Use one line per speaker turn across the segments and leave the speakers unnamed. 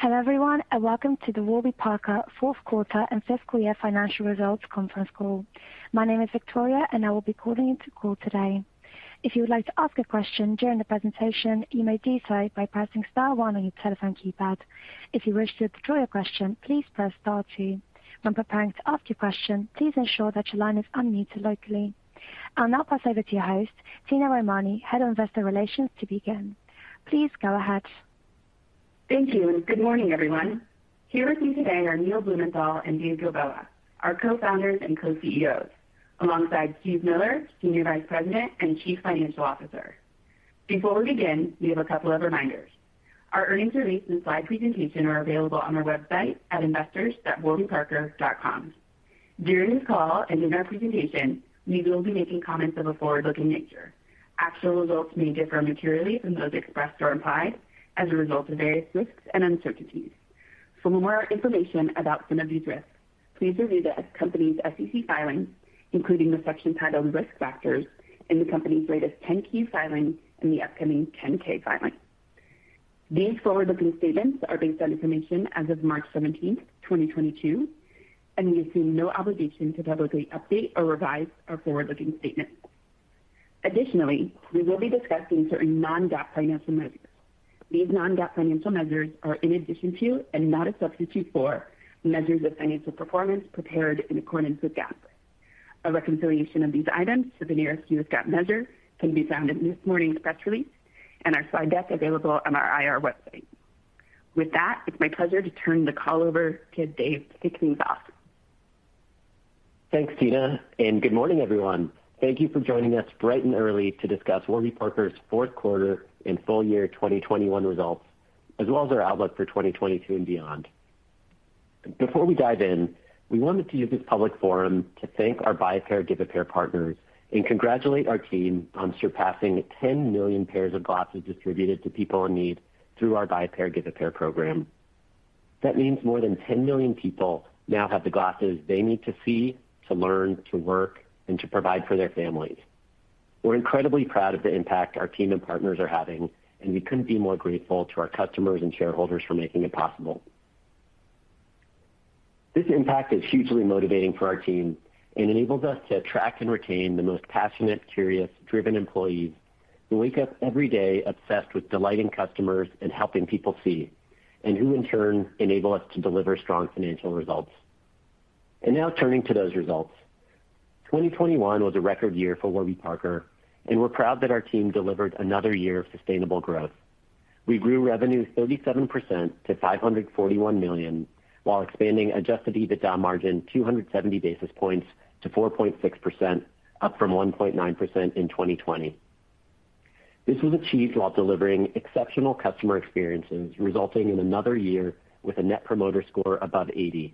Hello, everyone, and welcome to the Warby Parker Fourth Quarter and Fiscal Year Financial Results Conference Call. My name is Victoria, and I will be calling into the call today. If you would like to ask a question during the presentation, you may do so by pressing star one on your telephone keypad. If you wish to withdraw your question, please press star two. When preparing to ask your question, please ensure that your line is unmuted locally. I'll now pass over to your host, Tina Romani, Head of Investor Relations, to begin. Please go ahead.
Thank you, and good morning, everyone. Here with me today are Neil Blumenthal and Dave Gilboa, our co-founders and co-CEOs, alongside Steve Miller, Senior Vice President and Chief Financial Officer. Before we begin, we have a couple of reminders. Our earnings release and slide presentation are available on our website at investors.warbyparker.com. During this call and in our presentation, we will be making comments of a forward-looking nature. Actual results may differ materially from those expressed or implied as a result of various risks and uncertainties. For more information about some of these risks, please review the company's SEC filings, including the section titled Risk Factors in the company's latest 10-K filing and the upcoming 10-K filing. These forward-looking statements are based on information as of March seventeenth, 2022, and we assume no obligation to publicly update or revise our forward-looking statements. Additionally, we will be discussing certain non-GAAP financial measures. These non-GAAP financial measures are in addition to, and not a substitute for, measures of financial performance prepared in accordance with GAAP. A reconciliation of these items to the most comparable GAAP measures can be found in this morning's press release and our slide deck available on our IR website. With that, it's my pleasure to turn the call over to Dave to kick things off.
Thanks, Tina, and good morning, everyone. Thank you for joining us bright and early to discuss Warby Parker's fourth quarter and full year 2021 results, as well as our outlook for 2022 and beyond. Before we dive in, we wanted to use this public forum to thank our Buy a Pair, Give a Pair partners and congratulate our team on surpassing 10 million pairs of glasses distributed to people in need through our Buy a Pair, Give a Pair program. That means more than 10 million people now have the glasses they need to see, to learn, to work, and to provide for their families. We're incredibly proud of the impact our team and partners are having, and we couldn't be more grateful to our customers and shareholders for making it possible. This impact is hugely motivating for our team and enables us to attract and retain the most passionate, curious, driven employees who wake up every day obsessed with delighting customers and helping people see, and who in turn enable us to deliver strong financial results. Now turning to those results. 2021 was a record year for Warby Parker, and we're proud that our team delivered another year of sustainable growth. We grew revenue 37% to $541 million, while expanding adjusted EBITDA margin 270 basis points to 4.6%, up from 1.9% in 2020. This was achieved while delivering exceptional customer experiences, resulting in another year with a Net Promoter Score above 80,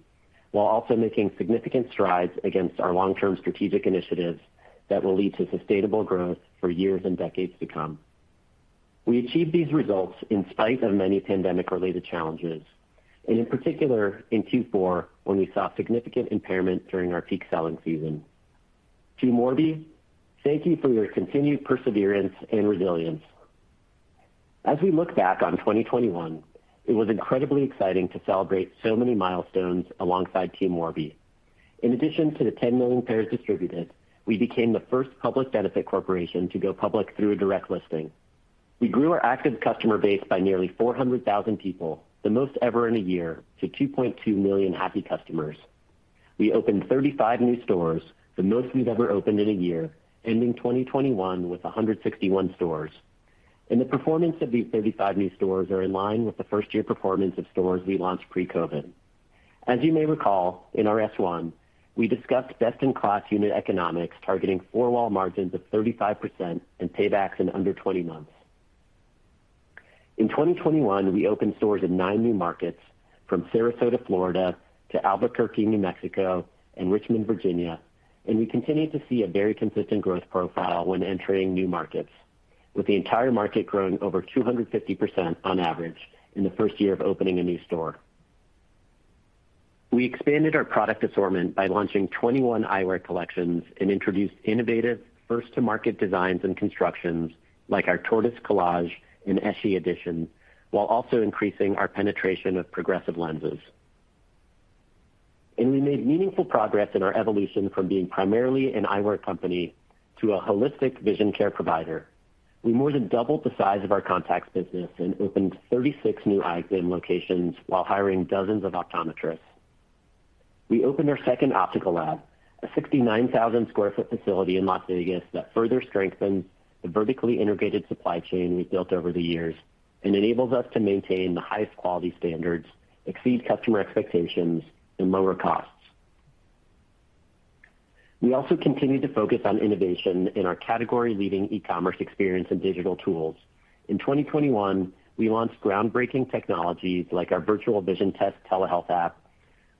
while also making significant strides against our long-term strategic initiatives that will lead to sustainable growth for years and decades to come. We achieved these results in spite of many pandemic related challenges, and in particular in Q4, when we saw significant impairment during our peak selling season. Team Warby, thank you for your continued perseverance and resilience. As we look back on 2021, it was incredibly exciting to celebrate so many milestones alongside Team Warby. In addition to the 10 million pairs distributed, we became the first public benefit corporation to go public through a direct listing. We grew our active customer base by nearly 400,000 people, the most ever in a year, to 2.2 million happy customers. We opened 35 new stores, the most we've ever opened in a year, ending 2021 with 161 stores. The performance of these 35 new stores are in line with the first year performance of stores we launched pre-COVID. As you may recall, in our S-1, we discussed best-in-class unit economics targeting four-wall margins of 35% and paybacks in under 20 months. In 2021, we opened stores in 9 new markets from Sarasota, Florida, to Albuquerque, New Mexico, and Richmond, Virginia, and we continue to see a very consistent growth profile when entering new markets, with the entire market growing over 250% on average in the first year of opening a new store. We expanded our product assortment by launching 21 eyewear collections and introduced innovative first-to-market designs and constructions like our Tortoise Collage and Essie edition, while also increasing our penetration of progressive lenses. We made meaningful progress in our evolution from being primarily an eyewear company to a holistic vision care provider. We more than doubled the size of our contacts business and opened 36 new eye exam locations while hiring dozens of optometrists. We opened our second optical lab, a 69,000 sq ft facility in Las Vegas that further strengthens the vertically integrated supply chain we've built over the years and enables us to maintain the highest quality standards, exceed customer expectations, and lower costs. We also continue to focus on innovation in our category leading e-commerce experience and digital tools. In 2021, we launched groundbreaking technologies like our Virtual Vision Test telehealth app,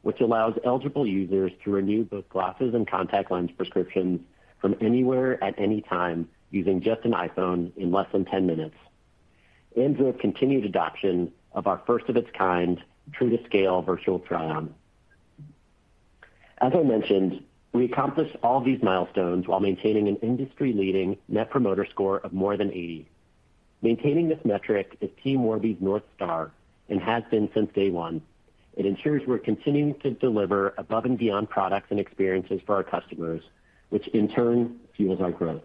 which allows eligible users to renew both glasses and contact lens prescriptions from anywhere at any time using just an iPhone in less than 10 minutes. Through a continued adoption of our first-of-its-kind true-to-scale Virtual Try-On. As I mentioned, we accomplished all these milestones while maintaining an industry-leading Net Promoter Score of more than 80. Maintaining this metric is Team Warby's North Star and has been since day one. It ensures we're continuing to deliver above and beyond products and experiences for our customers, which in turn fuels our growth.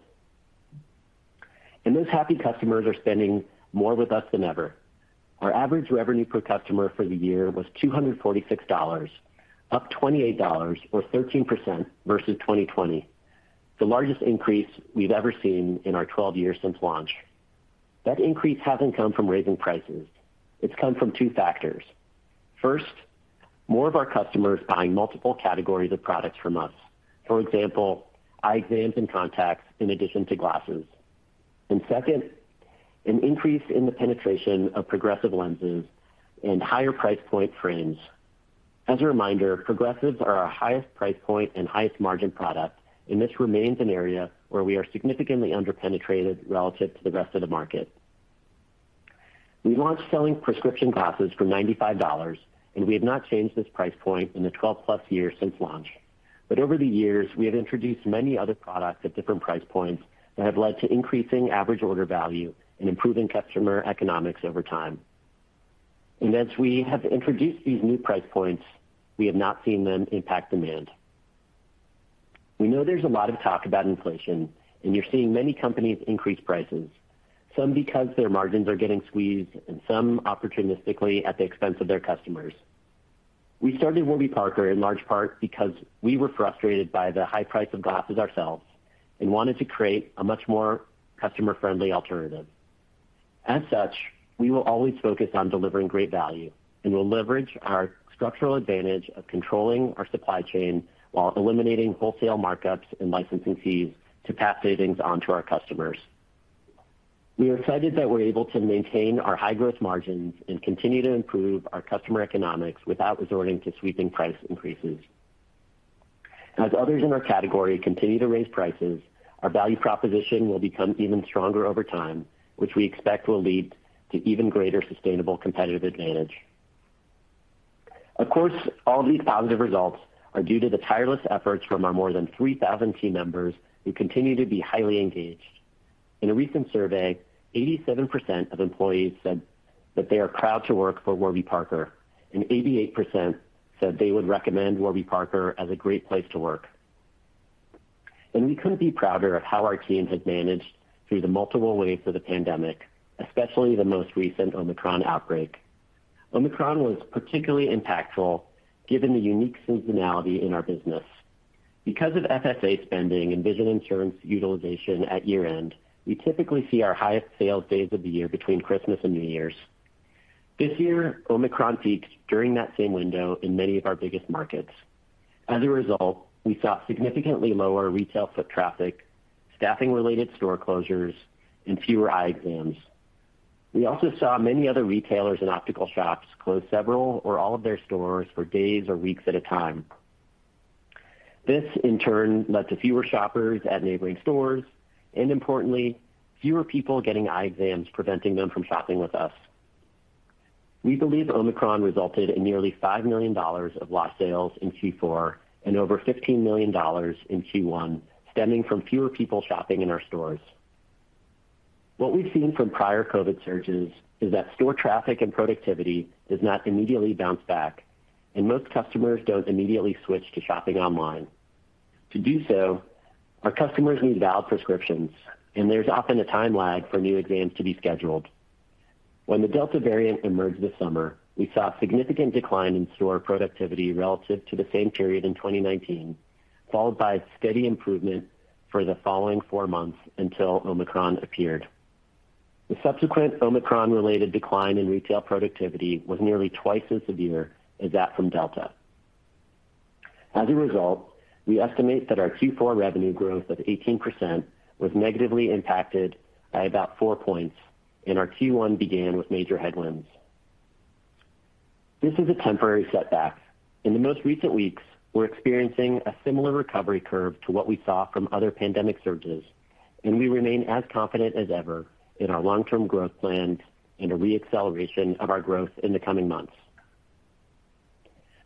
Those happy customers are spending more with us than ever. Our average revenue per customer for the year was $246, up $28 or 13% versus 2020, the largest increase we've ever seen in our 12 years since launch. That increase hasn't come from raising prices. It's come from two factors. First, more of our customers buying multiple categories of products from us, for example, eye exams and contacts in addition to glasses. Second, an increase in the penetration of progressive lenses and higher price point frames. As a reminder, progressives are our highest price point and highest margin product, and this remains an area where we are significantly underpenetrated relative to the rest of the market. We launched selling prescription glasses for $95, and we have not changed this price point in the 12+ years since launch. But over the years, we have introduced many other products at different price points that have led to increasing average order value and improving customer economics over time. As we have introduced these new price points, we have not seen them impact demand. We know there's a lot of talk about inflation, and you're seeing many companies increase prices, some because their margins are getting squeezed and some opportunistically at the expense of their customers. We started Warby Parker in large part because we were frustrated by the high price of glasses ourselves and wanted to create a much more customer-friendly alternative. As such, we will always focus on delivering great value, and we'll leverage our structural advantage of controlling our supply chain while eliminating wholesale markups and licensing fees to pass savings on to our customers. We are excited that we're able to maintain our high growth margins and continue to improve our customer economics without resorting to sweeping price increases. As others in our category continue to raise prices, our value proposition will become even stronger over time, which we expect will lead to even greater sustainable competitive advantage. Of course, all these positive results are due to the tireless efforts from our more than 3,000 team members who continue to be highly engaged. In a recent survey, 87% of employees said that they are proud to work for Warby Parker, and 88% said they would recommend Warby Parker as a great place to work. We couldn't be prouder of how our team has managed through the multiple waves of the pandemic, especially the most recent Omicron outbreak. Omicron was particularly impactful given the unique seasonality in our business. Because of FSA spending and vision insurance utilization at year-end, we typically see our highest sales days of the year between Christmas and New Year's. This year, Omicron peaked during that same window in many of our biggest markets. As a result, we saw significantly lower retail foot traffic, staffing related store closures, and fewer eye exams. We also saw many other retailers and optical shops close several or all of their stores for days or weeks at a time. This, in turn, led to fewer shoppers at neighboring stores, and importantly, fewer people getting eye exams, preventing them from shopping with us. We believe Omicron resulted in nearly $5 million of lost sales in Q4 and over $15 million in Q1, stemming from fewer people shopping in our stores. What we've seen from prior COVID surges is that store traffic and productivity does not immediately bounce back, and most customers don't immediately switch to shopping online. To do so, our customers need valid prescriptions, and there's often a time lag for new exams to be scheduled. When the Delta variant emerged this summer, we saw a significant decline in store productivity relative to the same period in 2019, followed by a steady improvement for the following four months until Omicron appeared. The subsequent Omicron-related decline in retail productivity was nearly twice as severe as that from Delta. As a result, we estimate that our Q4 revenue growth of 18% was negatively impacted by about four points, and our Q1 began with major headwinds. This is a temporary setback. In the most recent weeks, we're experiencing a similar recovery curve to what we saw from other pandemic surges, and we remain as confident as ever in our long-term growth plans and a re-acceleration of our growth in the coming months.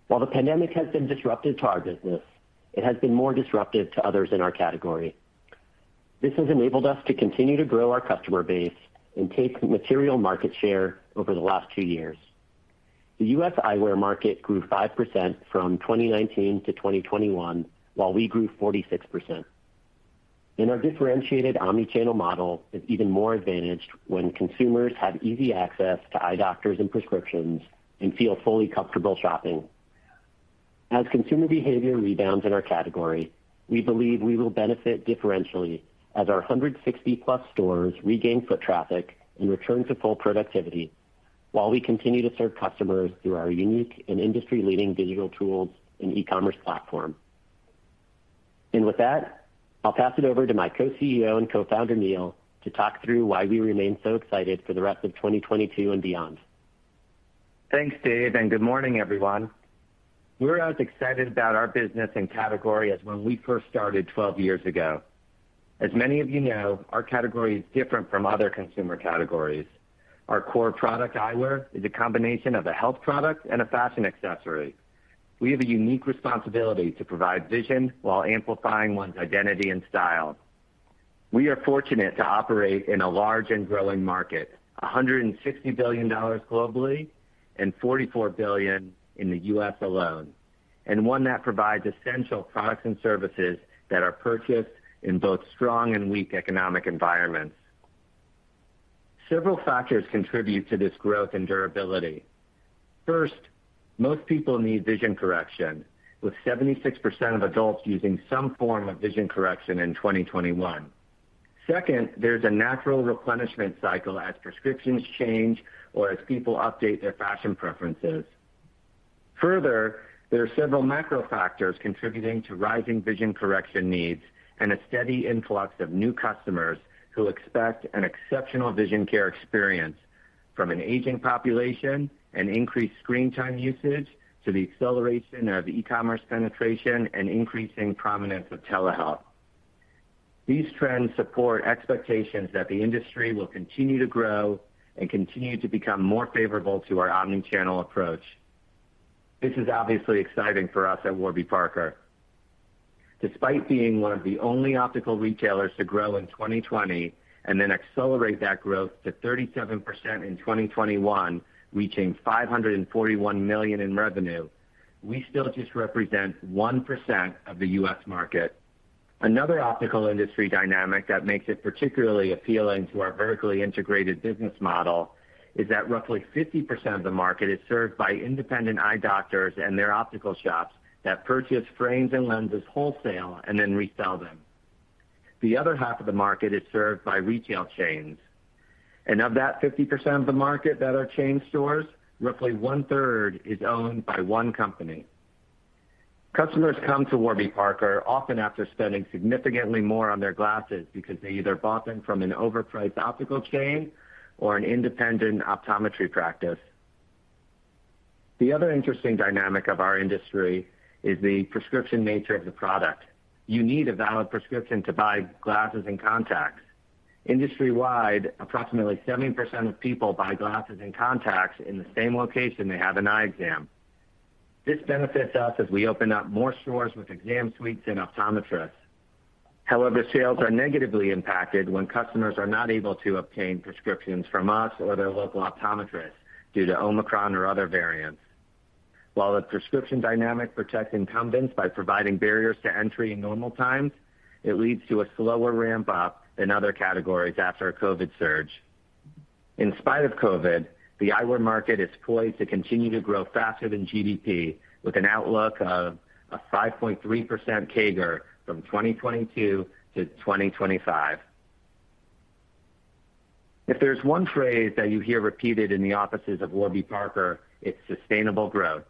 While the pandemic has been disruptive to our business, it has been more disruptive to others in our category. This has enabled us to continue to grow our customer base and take material market share over the last two years. The U.S. eyewear market grew 5% from 2019 to 2021, while we grew 46%. Our differentiated omni-channel model is even more advantaged when consumers have easy access to eye doctors and prescriptions and feel fully comfortable shopping. As consumer behavior rebounds in our category, we believe we will benefit differentially as our 160+ stores regain foot traffic and return to full productivity while we continue to serve customers through our unique and industry-leading digital tools and e-commerce platform. With that, I'll pass it over to my Co-CEO and Co-Founder, Neil, to talk through why we remain so excited for the rest of 2022 and beyond.
Thanks, Dave, and good morning, everyone. We're as excited about our business and category as when we first started 12 years ago. As many of you know, our category is different from other consumer categories. Our core product, eyewear, is a combination of a health product and a fashion accessory. We have a unique responsibility to provide vision while amplifying one's identity and style. We are fortunate to operate in a large and growing market, $160 billion globally and $44 billion in the U.S. alone, and one that provides essential products and services that are purchased in both strong and weak economic environments. Several factors contribute to this growth and durability. First, most people need vision correction, with 76% of adults using some form of vision correction in 2021. Second, there's a natural replenishment cycle as prescriptions change or as people update their fashion preferences. Further, there are several macro factors contributing to rising vision correction needs and a steady influx of new customers who expect an exceptional vision care experience from an aging population and increased screen time usage to the acceleration of e-commerce penetration and increasing prominence of telehealth. These trends support expectations that the industry will continue to grow and continue to become more favorable to our omni-channel approach. This is obviously exciting for us at Warby Parker. Despite being one of the only optical retailers to grow in 2020 and then accelerate that growth to 37% in 2021, reaching $541 million in revenue, we still just represent 1% of the U.S. market. Another optical industry dynamic that makes it particularly appealing to our vertically integrated business model is that roughly 50% of the market is served by independent eye doctors and their optical shops that purchase frames and lenses wholesale and then resell them. The other half of the market is served by retail chains, and of that 50% of the market that are chain stores, roughly 1/3 is owned by one company. Customers come to Warby Parker often after spending significantly more on their glasses because they either bought them from an overpriced optical chain or an independent optometry practice. The other interesting dynamic of our industry is the prescription nature of the product. You need a valid prescription to buy glasses and contacts. Industry-wide, approximately 70% of people buy glasses and contacts in the same location they have an eye exam. This benefits us as we open up more stores with exam suites and optometrists. However, sales are negatively impacted when customers are not able to obtain prescriptions from us or their local optometrist due to Omicron or other variants. While the prescription dynamic protects incumbents by providing barriers to entry in normal times, it leads to a slower ramp up in other categories after a COVID surge. In spite of COVID, the eyewear market is poised to continue to grow faster than GDP with an outlook of a 5.3% CAGR from 2022 to 2025. If there's one phrase that you hear repeated in the offices of Warby Parker, it's sustainable growth.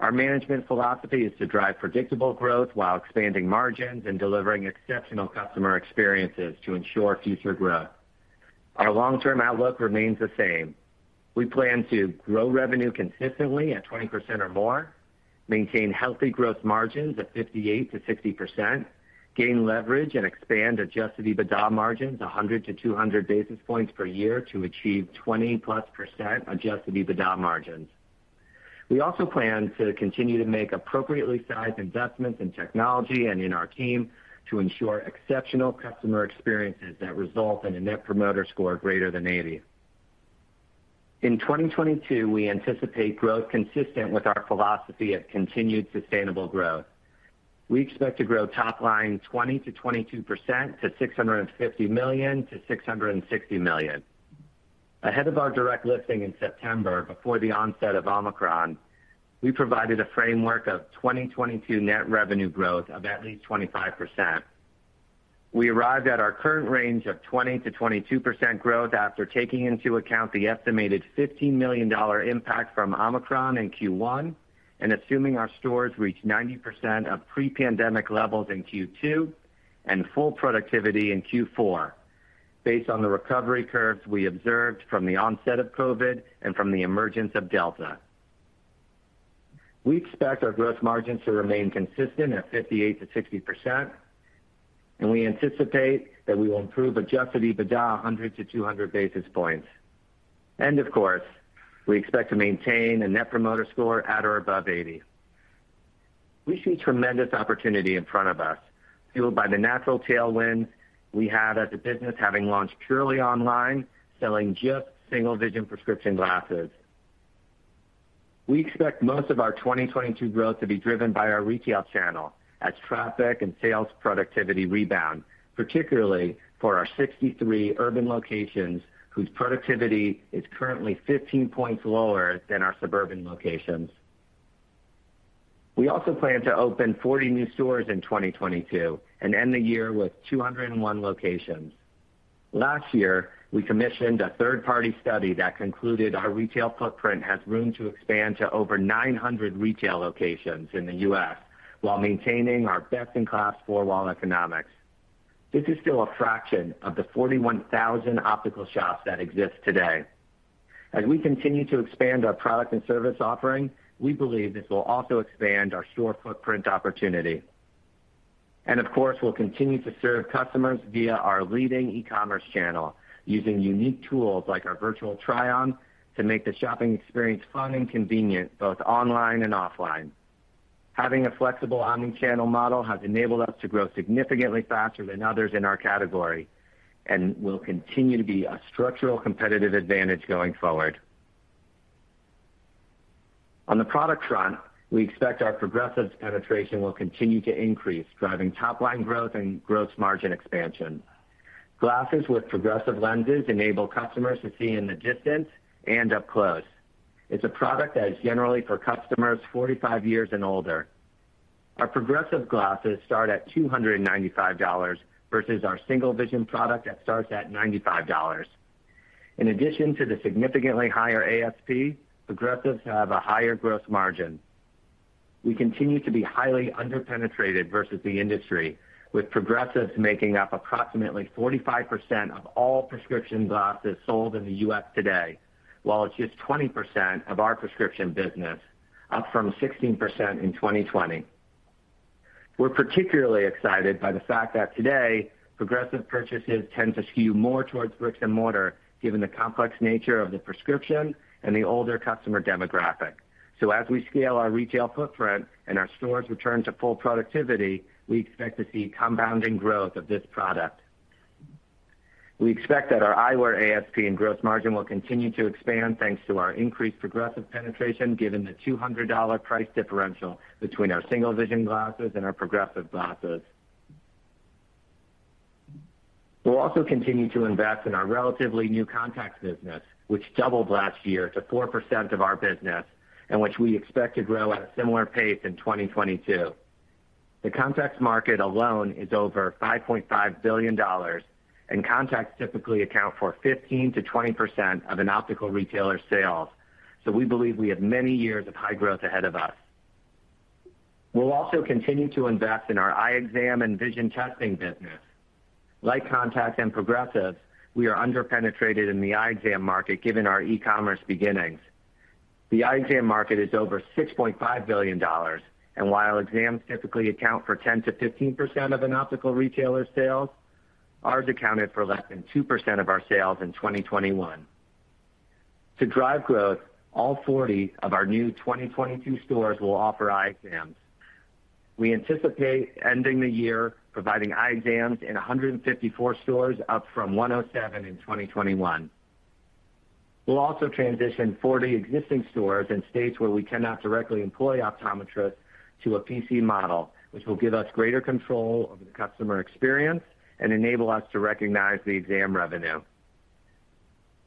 Our management philosophy is to drive predictable growth while expanding margins and delivering exceptional customer experiences to ensure future growth. Our long-term outlook remains the same. We plan to grow revenue consistently at 20% or more, maintain healthy gross margins at 58%-60%, gain leverage and expand adjusted EBITDA margins 100 basis points-200 basis points per year to achieve 20%+ adjusted EBITDA margins. We also plan to continue to make appropriately sized investments in technology and in our team to ensure exceptional customer experiences that result in a Net Promoter Score greater than 80. In 2022, we anticipate growth consistent with our philosophy of continued sustainable growth. We expect to grow top line 20%-22% to $650 million-$660 million. Ahead of our direct listing in September, before the onset of Omicron, we provided a framework of 2022 net revenue growth of at least 25%. We arrived at our current range of 20%-22% growth after taking into account the estimated $15 million impact from Omicron in Q1 and assuming our stores reach 90% of pre-pandemic levels in Q2 and full productivity in Q4 based on the recovery curves we observed from the onset of COVID and from the emergence of Delta. We expect our gross margins to remain consistent at 58%-60%, and we anticipate that we will improve adjusted EBITDA 100 basis points-200 basis points. Of course, we expect to maintain a Net Promoter Score at or above 80. We see tremendous opportunity in front of us, fueled by the natural tailwind we had as a business having launched purely online, selling just single-vision prescription glasses. We expect most of our 2022 growth to be driven by our retail channel as traffic and sales productivity rebound, particularly for our 63 urban locations whose productivity is currently 15 points lower than our suburban locations. We also plan to open 40 new stores in 2022 and end the year with 201 locations. Last year, we commissioned a third-party study that concluded our retail footprint has room to expand to over 900 retail locations in the U.S. while maintaining our best-in-class four-wall economics. This is still a fraction of the 41,000 optical shops that exist today. As we continue to expand our product and service offering, we believe this will also expand our store footprint opportunity. Of course, we'll continue to serve customers via our leading e-commerce channel using unique tools like our virtual try-on to make the shopping experience fun and convenient, both online and offline. Having a flexible omni-channel model has enabled us to grow significantly faster than others in our category, and will continue to be a structural competitive advantage going forward. On the product front, we expect our progressives penetration will continue to increase, driving top line growth and gross margin expansion. Glasses with progressive lenses enable customers to see in the distance and up close. It's a product that is generally for customers 45 years and older. Our progressive glasses start at $295 versus our single vision product that starts at $95. In addition to the significantly higher ASP, progressives have a higher gross margin. We continue to be highly underpenetrated versus the industry, with progressives making up approximately 45% of all prescription glasses sold in the U.S. today, while it's just 20% of our prescription business, up from 16% in 2020. We're particularly excited by the fact that today, progressive purchases tend to skew more towards bricks and mortar, given the complex nature of the prescription and the older customer demographic. As we scale our retail footprint and our stores return to full productivity, we expect to see compounding growth of this product. We expect that our eyewear ASP and gross margin will continue to expand thanks to our increased progressive penetration, given the $200 price differential between our single vision glasses and our progressive glasses. We'll also continue to invest in our relatively new contacts business, which doubled last year to 4% of our business, and which we expect to grow at a similar pace in 2022. The contacts market alone is over $5.5 billion, and contacts typically account for 15%-20% of an optical retailer's sales. We believe we have many years of high growth ahead of us. We'll also continue to invest in our eye exam and vision testing business. Like contacts and progressives, we are underpenetrated in the eye exam market given our e-commerce beginnings. The eye exam market is over $6.5 billion, and while exams typically account for 10%-15% of an optical retailer's sales, ours accounted for less than 2% of our sales in 2021. To drive growth, all 40 of our new 2022 stores will offer eye exams. We anticipate ending the year providing eye exams in 154 stores, up from 107 in 2021. We'll also transition 40 existing stores in states where we cannot directly employ optometrists to a PC model, which will give us greater control over the customer experience and enable us to recognize the exam revenue.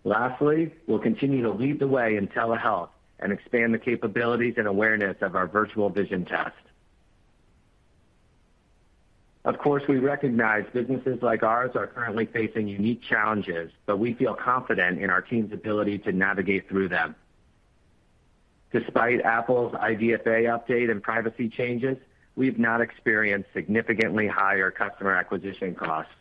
Lastly, we'll continue to lead the way in telehealth and expand the capabilities and awareness of our Virtual Vision Test. Of course, we recognize businesses like ours are currently facing unique challenges, but we feel confident in our team's ability to navigate through them. Despite Apple's IDFA update and privacy changes, we've not experienced significantly higher customer acquisition costs.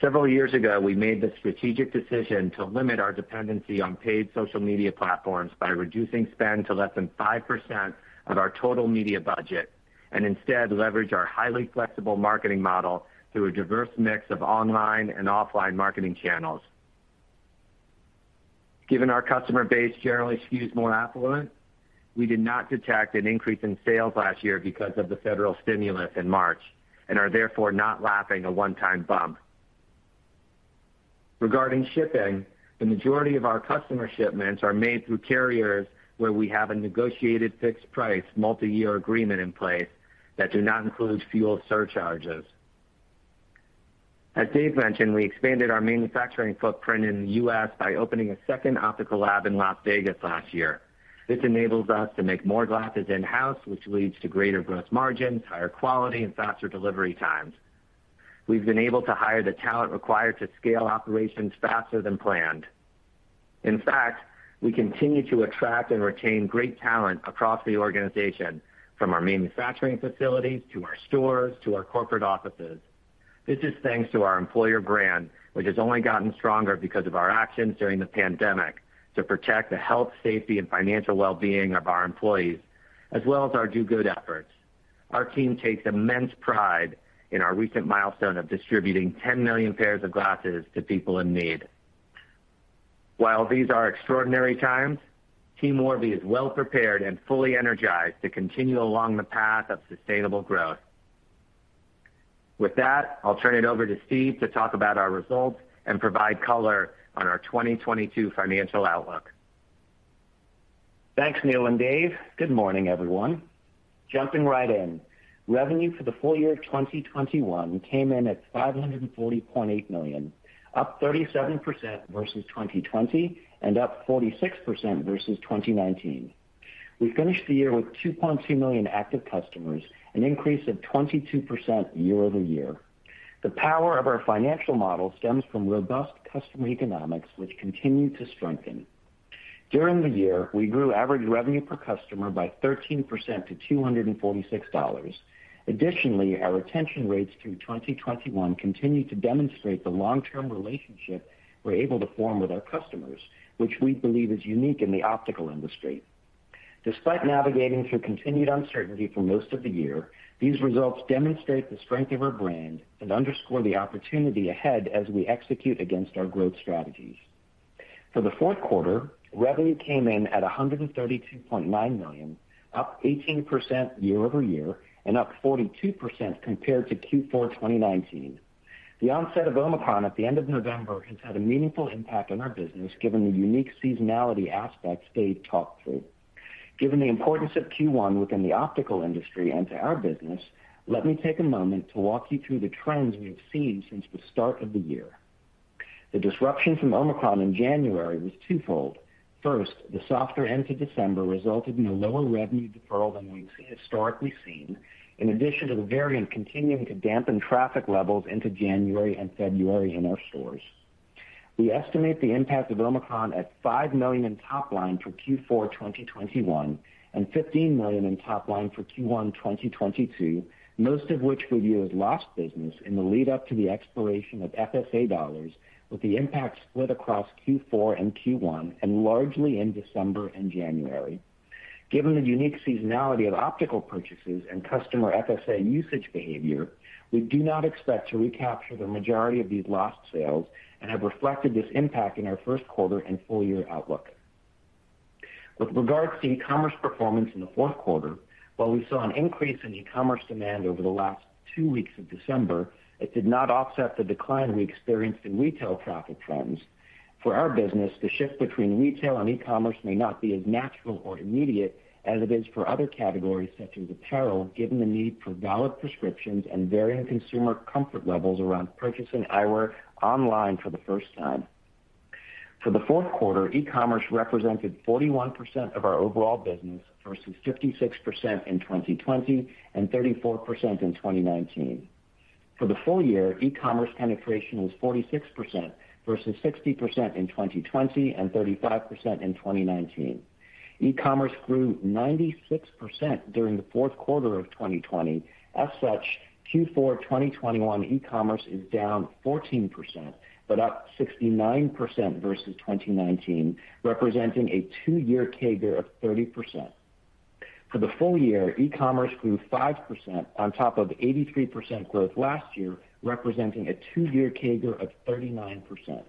Several years ago, we made the strategic decision to limit our dependency on paid social media platforms by reducing spend to less than 5% of our total media budget, and instead leverage our highly flexible marketing model through a diverse mix of online and offline marketing channels. Given our customer base generally skews more affluent, we did not detect an increase in sales last year because of the federal stimulus in March, and are therefore not lapping a one-time bump. Regarding shipping, the majority of our customer shipments are made through carriers where we have a negotiated fixed price, multi-year agreement in place that do not include fuel surcharges. As Dave mentioned, we expanded our manufacturing footprint in the U.S. by opening a second optical lab in Las Vegas last year. This enables us to make more glasses in-house, which leads to greater gross margins, higher quality, and faster delivery times. We've been able to hire the talent required to scale operations faster than planned. In fact, we continue to attract and retain great talent across the organization, from our manufacturing facilities to our stores to our corporate offices. This is thanks to our employer brand, which has only gotten stronger because of our actions during the pandemic to protect the health, safety, and financial well-being of our employees, as well as our Do Good efforts. Our team takes immense pride in our recent milestone of distributing 10 million pairs of glasses to people in need. While these are extraordinary times, Team Warby is well prepared and fully energized to continue along the path of sustainable growth. With that, I'll turn it over to Steve to talk about our results and provide color on our 2022 financial outlook.
Thanks, Neil and Dave. Good morning, everyone. Jumping right in. Revenue for the full year of 2021 came in at $540.8 million, up 37% versus 2020 and up 46% versus 2019. We finished the year with 2.2 million active customers, an increase of 22% year over year. The power of our financial model stems from robust customer economics, which continue to strengthen. During the year, we grew average revenue per customer by 13% to $246. Additionally, our retention rates through 2021 continue to demonstrate the long-term relationship we're able to form with our customers, which we believe is unique in the optical industry. Despite navigating through continued uncertainty for most of the year, these results demonstrate the strength of our brand and underscore the opportunity ahead as we execute against our growth strategies. For the fourth quarter, revenue came in at $132.9 million, up 18% year-over-year and up 42% compared to Q4 2019. The onset of Omicron at the end of November has had a meaningful impact on our business, given the unique seasonality aspects Dave talked through. Given the importance of Q1 within the optical industry and to our business, let me take a moment to walk you through the trends we have seen since the start of the year. The disruption from Omicron in January was twofold. First, the softer end to December resulted in a lower revenue deferral than we've historically seen, in addition to the variant continuing to dampen traffic levels into January and February in our stores. We estimate the impact of Omicron at $5 million in top line for Q4 2021 and $15 million in top line for Q1 2022, most of which we view as lost business in the lead up to the expiration of FSA dollars, with the impact split across Q4 and Q1 and largely in December and January. Given the unique seasonality of optical purchases and customer FSA usage behavior, we do not expect to recapture the majority of these lost sales and have reflected this impact in our first quarter and full year outlook. With regards to e-commerce performance in the fourth quarter, while we saw an increase in e-commerce demand over the last two weeks of December, it did not offset the decline we experienced in retail traffic trends. For our business, the shift between retail and e-commerce may not be as natural or immediate as it is for other categories such as apparel, given the need for valid prescriptions and varying consumer comfort levels around purchasing eyewear online for the first time. For the fourth quarter, e-commerce represented 41% of our overall business versus 56% in 2020 and 34% in 2019. For the full year, e-commerce penetration was 46% versus 60% in 2020 and 35% in 2019. E-commerce grew 96% during the fourth quarter of 2020. As such, Q4 2021 e-commerce is down 14%, but up 69% versus 2019, representing a two-year CAGR of 30%. For the full year, e-commerce grew 5% on top of 83% growth last year, representing a two-year CAGR of 39%.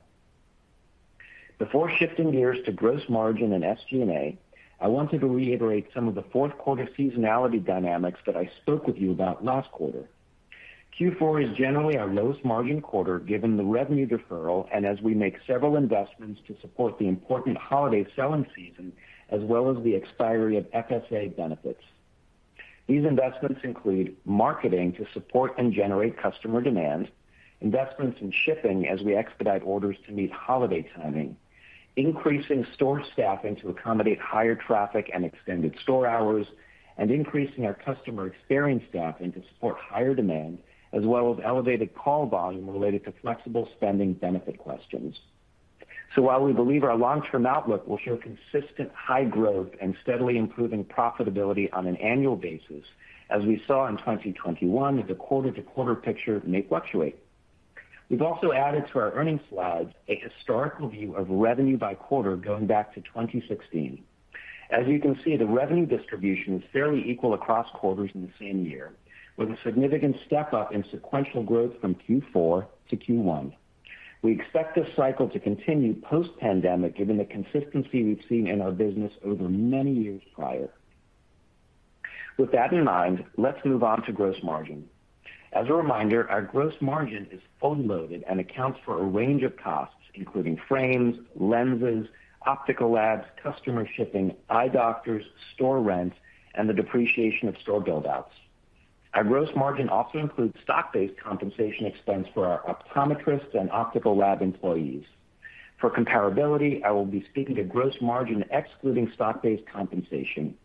Before shifting gears to gross margin and SG&A, I wanted to reiterate some of the fourth quarter seasonality dynamics that I spoke with you about last quarter. Q4 is generally our lowest margin quarter, given the revenue deferral and as we make several investments to support the important holiday selling season, as well as the expiry of FSA benefits. These investments include marketing to support and generate customer demand, investments in shipping as we expedite orders to meet holiday timing, increasing store staffing to accommodate higher traffic and extended store hours, and increasing our customer experience staffing to support higher demand, as well as elevated call volume related to flexible spending benefit questions. While we believe our long-term outlook will show consistent high growth and steadily improving profitability on an annual basis, as we saw in 2021, the quarter to quarter picture may fluctuate. We've also added to our earnings slides a historical view of revenue by quarter going back to 2016. As you can see, the revenue distribution is fairly equal across quarters in the same year, with a significant step up in sequential growth from Q4 to Q1. We expect this cycle to continue post-pandemic, given the consistency we've seen in our business over many years prior. With that in mind, let's move on to gross margin. As a reminder, our gross margin is fully loaded and accounts for a range of costs, including frames, lenses, optical labs, customer shipping, eye doctors, store rent, and the depreciation of store build outs. Our gross margin also includes stock-based compensation expense for our optometrists and optical lab employees. For comparability, I will be speaking to gross margin excluding stock-based compensation.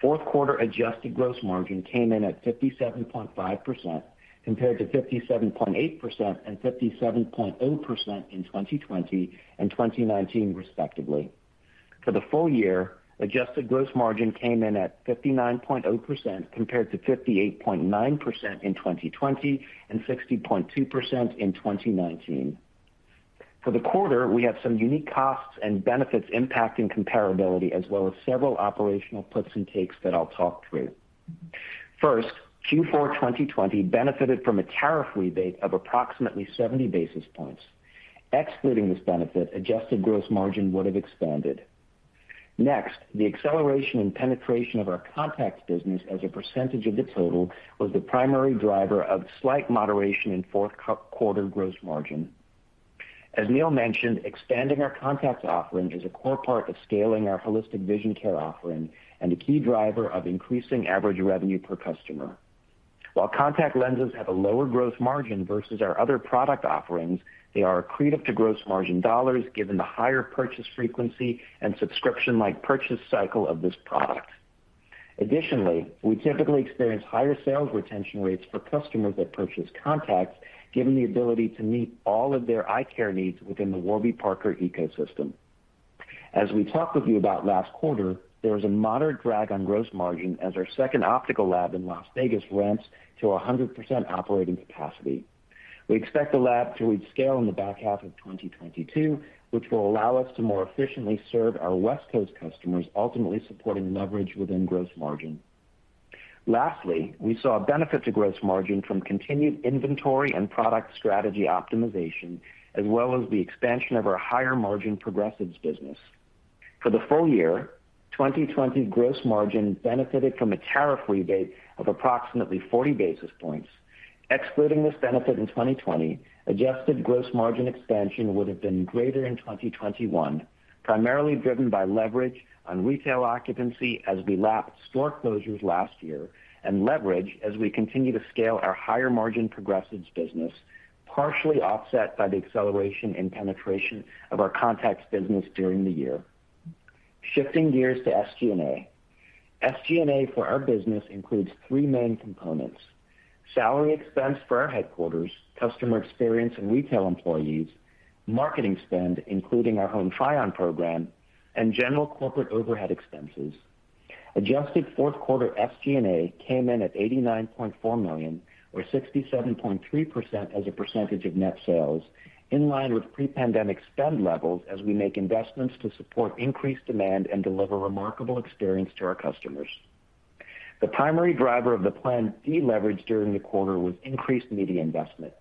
Fourth quarter adjusted gross margin came in at 57.5% compared to 57.8% and 57.0% in 2020 and 2019 respectively. For the full year, adjusted gross margin came in at 59.0% compared to 58.9% in 2020 and 60.2% in 2019. For the quarter, we have some unique costs and benefits impacting comparability as well as several operational puts and takes that I'll talk through. First, Q4 2020 benefited from a tariff rebate of approximately 70 basis points. Excluding this benefit, adjusted gross margin would have expanded. Next, the acceleration and penetration of our contacts business as a percentage of the total was the primary driver of slight moderation in fourth quarter gross margin. As Neil mentioned, expanding our contacts offering is a core part of scaling our holistic vision care offering and a key driver of increasing average revenue per customer. While contact lenses have a lower gross margin versus our other product offerings, they are accretive to gross margin dollars given the higher purchase frequency and subscription like purchase cycle of this product. Additionally, we typically experience higher sales retention rates for customers that purchase contacts, given the ability to meet all of their eye care needs within the Warby Parker ecosystem. As we talked with you about last quarter, there was a moderate drag on gross margin as our second optical lab in Las Vegas ramps to 100% operating capacity. We expect the lab to reach scale in the back half of 2022, which will allow us to more efficiently serve our West Coast customers, ultimately supporting leverage within gross margin. Lastly, we saw a benefit to gross margin from continued inventory and product strategy optimization, as well as the expansion of our higher margin progressives business. For the full year, 2020 gross margin benefited from a tariff rebate of approximately 40 basis points. Excluding this benefit in 2020, adjusted gross margin expansion would have been greater in 2021, primarily driven by leverage on retail occupancy as we lap store closures last year, and leverage as we continue to scale our higher margin progressives business, partially offset by the acceleration in penetration of our contacts business during the year. Shifting gears to SG&A. SG&A for our business includes three main components, salary expense for our headquarters, customer experience and retail employees, marketing spend, including our Home Try-On program, and general corporate overhead expenses. Adjusted fourth quarter SG&A came in at $89.4 million or 67.3% as a percentage of net sales, in line with pre-pandemic spend levels as we make investments to support increased demand and deliver remarkable experience to our customers. The primary driver of the planned deleverage during the quarter was increased media investment.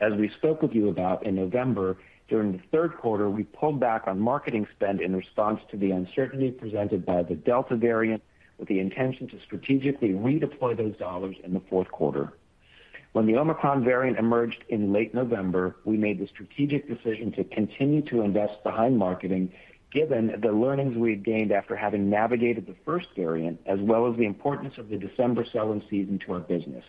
As we spoke with you about in November, during the third quarter, we pulled back on marketing spend in response to the uncertainty presented by the Delta variant with the intention to strategically redeploy those dollars in the fourth quarter. When the Omicron variant emerged in late November, we made the strategic decision to continue to invest behind marketing given the learnings we had gained after having navigated the first variant, as well as the importance of the December selling season to our business.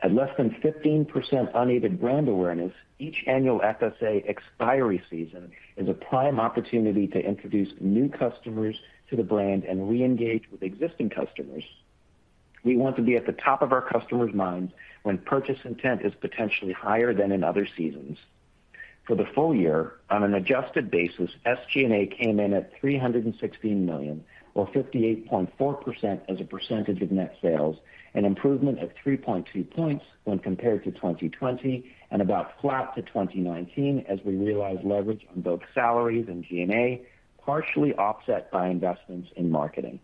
At less than 15% unaided brand awareness, each annual FSA expiry season is a prime opportunity to introduce new customers to the brand and re-engage with existing customers. We want to be at the top of our customers' minds when purchase intent is potentially higher than in other seasons. For the full year, on an adjusted basis, SG&A came in at $316 million or 58.4% as a percentage of net sales, an improvement of 3.2 points when compared to 2020 and about flat to 2019 as we realized leverage on both salaries and G&A, partially offset by investments in marketing.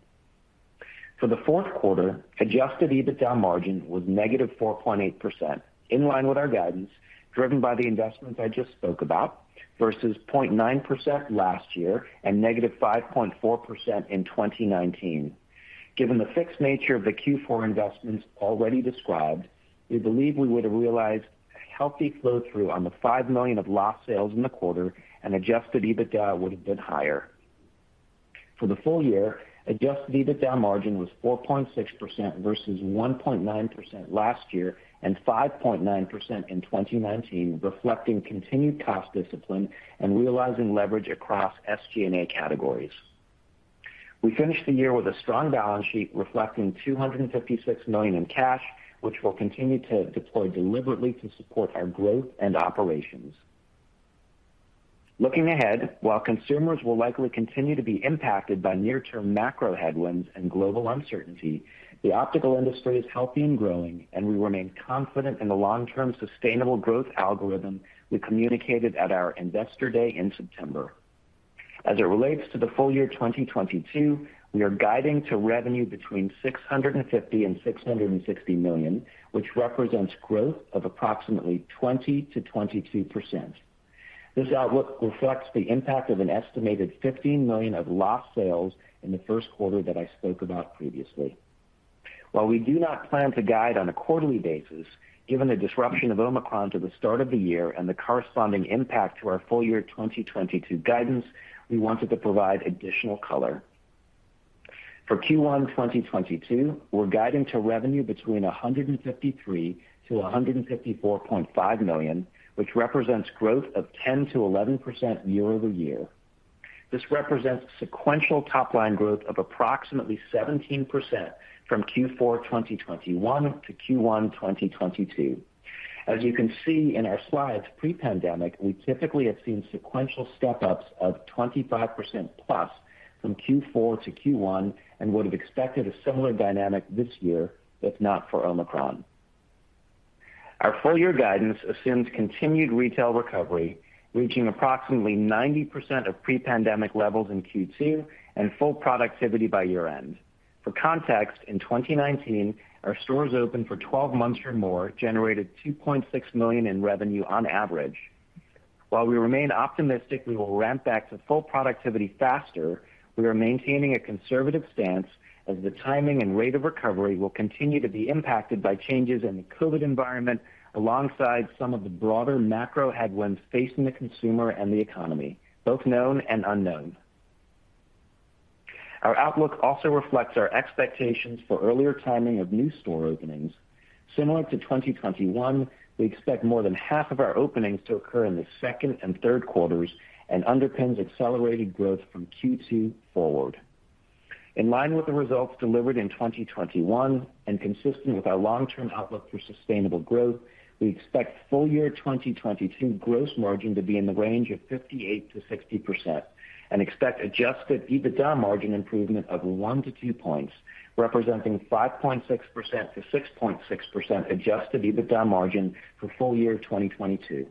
For the fourth quarter, adjusted EBITDA margin was -4.8%, in line with our guidance, driven by the investments I just spoke about, versus 0.9% last year and -5.4% in 2019. Given the fixed nature of the Q4 investments already described, we believe we would have realized a healthy flow through on the $5 million of lost sales in the quarter and adjusted EBITDA would have been higher. For the full year, adjusted EBITDA margin was 4.6% versus 1.9% last year and 5.9% in 2019, reflecting continued cost discipline and realizing leverage across SG&A categories. We finished the year with a strong balance sheet reflecting $256 million in cash, which we'll continue to deploy deliberately to support our growth and operations. Looking ahead, while consumers will likely continue to be impacted by near-term macro headwinds and global uncertainty, the optical industry is healthy and growing, and we remain confident in the long-term sustainable growth algorithm we communicated at our Investor Day in September. As it relates to the full year 2022, we are guiding to revenue between $650 million and $660 million, which represents growth of approximately 20%-22%. This outlook reflects the impact of an estimated $15 million of lost sales in the first quarter that I spoke about previously. While we do not plan to guide on a quarterly basis, given the disruption of Omicron to the start of the year and the corresponding impact to our full year 2022 guidance, we wanted to provide additional color. For Q1 2022, we're guiding to revenue between $153 million-$154.5 million, which represents growth of 10%-11% year-over-year. This represents sequential top-line growth of approximately 17% from Q4 2021 to Q1 2022. As you can see in our slides pre-pandemic, we typically have seen sequential step-ups of 25%+ from Q4 to Q1 and would have expected a similar dynamic this year if not for Omicron. Our full-year guidance assumes continued retail recovery, reaching approximately 90% of pre-pandemic levels in Q2 and full productivity by year-end. For context, in 2019, our stores open for 12 months or more generated $2.6 million in revenue on average. While we remain optimistic we will ramp back to full productivity faster, we are maintaining a conservative stance as the timing and rate of recovery will continue to be impacted by changes in the COVID environment alongside some of the broader macro headwinds facing the consumer and the economy, both known and unknown. Our outlook also reflects our expectations for earlier timing of new store openings. Similar to 2021, we expect more than half of our openings to occur in the second and third quarters and underpins accelerated growth from Q2 forward. In line with the results delivered in 2021 and consistent with our long-term outlook for sustainable growth, we expect full-year 2022 gross margin to be in the range of 58%-60% and expect adjusted EBITDA margin improvement of one to two points, representing 5.6%-6.6% adjusted EBITDA margin for full-year 2022.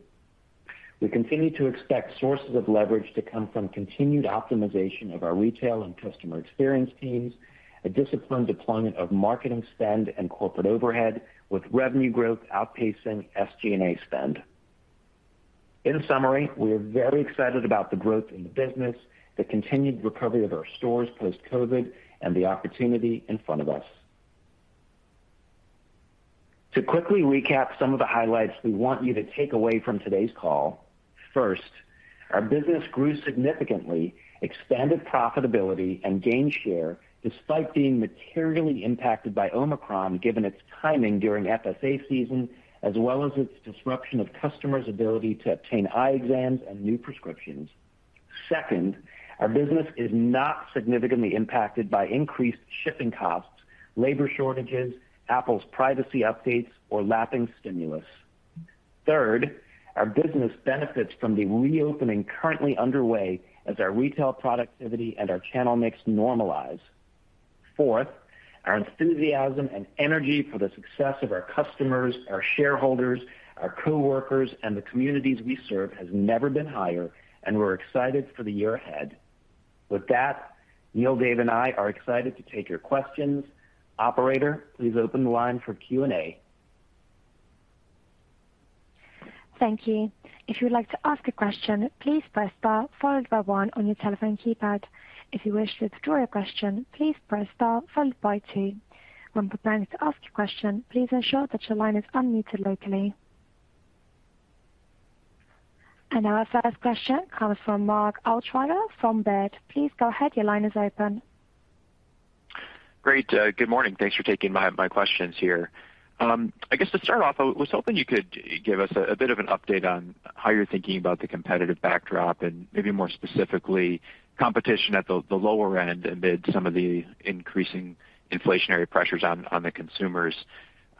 We continue to expect sources of leverage to come from continued optimization of our retail and customer experience teams, a disciplined deployment of marketing spend and corporate overhead, with revenue growth outpacing SG&A spend. In summary, we are very excited about the growth in the business, the continued recovery of our stores post-COVID, and the opportunity in front of us. To quickly recap some of the highlights we want you to take away from today's call. First, our business grew significantly, expanded profitability, and gained share despite being materially impacted by Omicron, given its timing during FSA season, as well as its disruption of customers' ability to obtain eye exams and new prescriptions. Second, our business is not significantly impacted by increased shipping costs, labor shortages, Apple's privacy updates, or lapping stimulus. Third, our business benefits from the reopening currently underway as our retail productivity and our channel mix normalize. Fourth, our enthusiasm and energy for the success of our customers, our shareholders, our coworkers, and the communities we serve has never been higher, and we're excited for the year ahead. With that, Neil, Dave, and I are excited to take your questions. Operator, please open the line for Q&A.
Thank you. Our first question comes from Mark Altschwager from Baird. Please go ahead. Your line is open.
Great. Good morning. Thanks for taking my questions here. I guess to start off, I was hoping you could give us a bit of an update on how you're thinking about the competitive backdrop and maybe more specifically, competition at the lower end amid some of the increasing inflationary pressures on the consumers.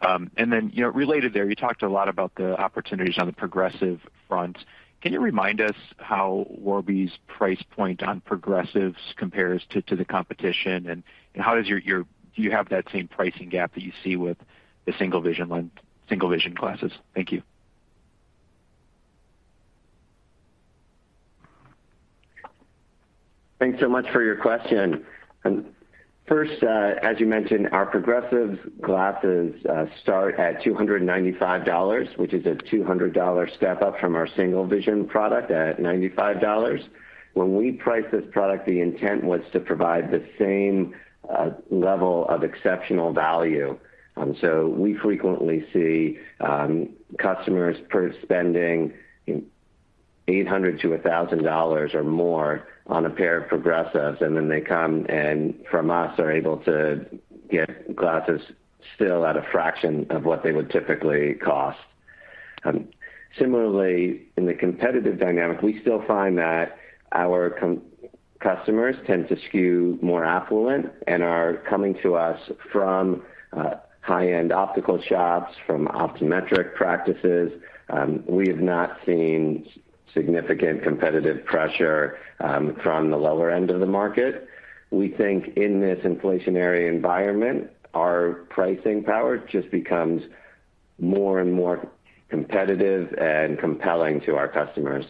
And then, you know, related there, you talked a lot about the opportunities on the progressive front. Can you remind us how Warby's price point on progressives compares to the competition? And how do you have that same pricing gap that you see with the single vision glasses? Thank you.
Thanks so much for your question. First, as you mentioned, our progressive glasses start at $295, which is a $200 step up from our single vision product at $95. When we priced this product, the intent was to provide the same level of exceptional value. We frequently see customers spending $800-$1,000 or more on a pair of progressives, and then they come to us, are able to get glasses still at a fraction of what they would typically cost. Similarly, in the competitive dynamic, we still find that our customers tend to skew more affluent and are coming to us from high-end optical shops, from optometric practices. We have not seen significant competitive pressure from the lower end of the market. We think in this inflationary environment, our pricing power just becomes more and more competitive and compelling to our customers.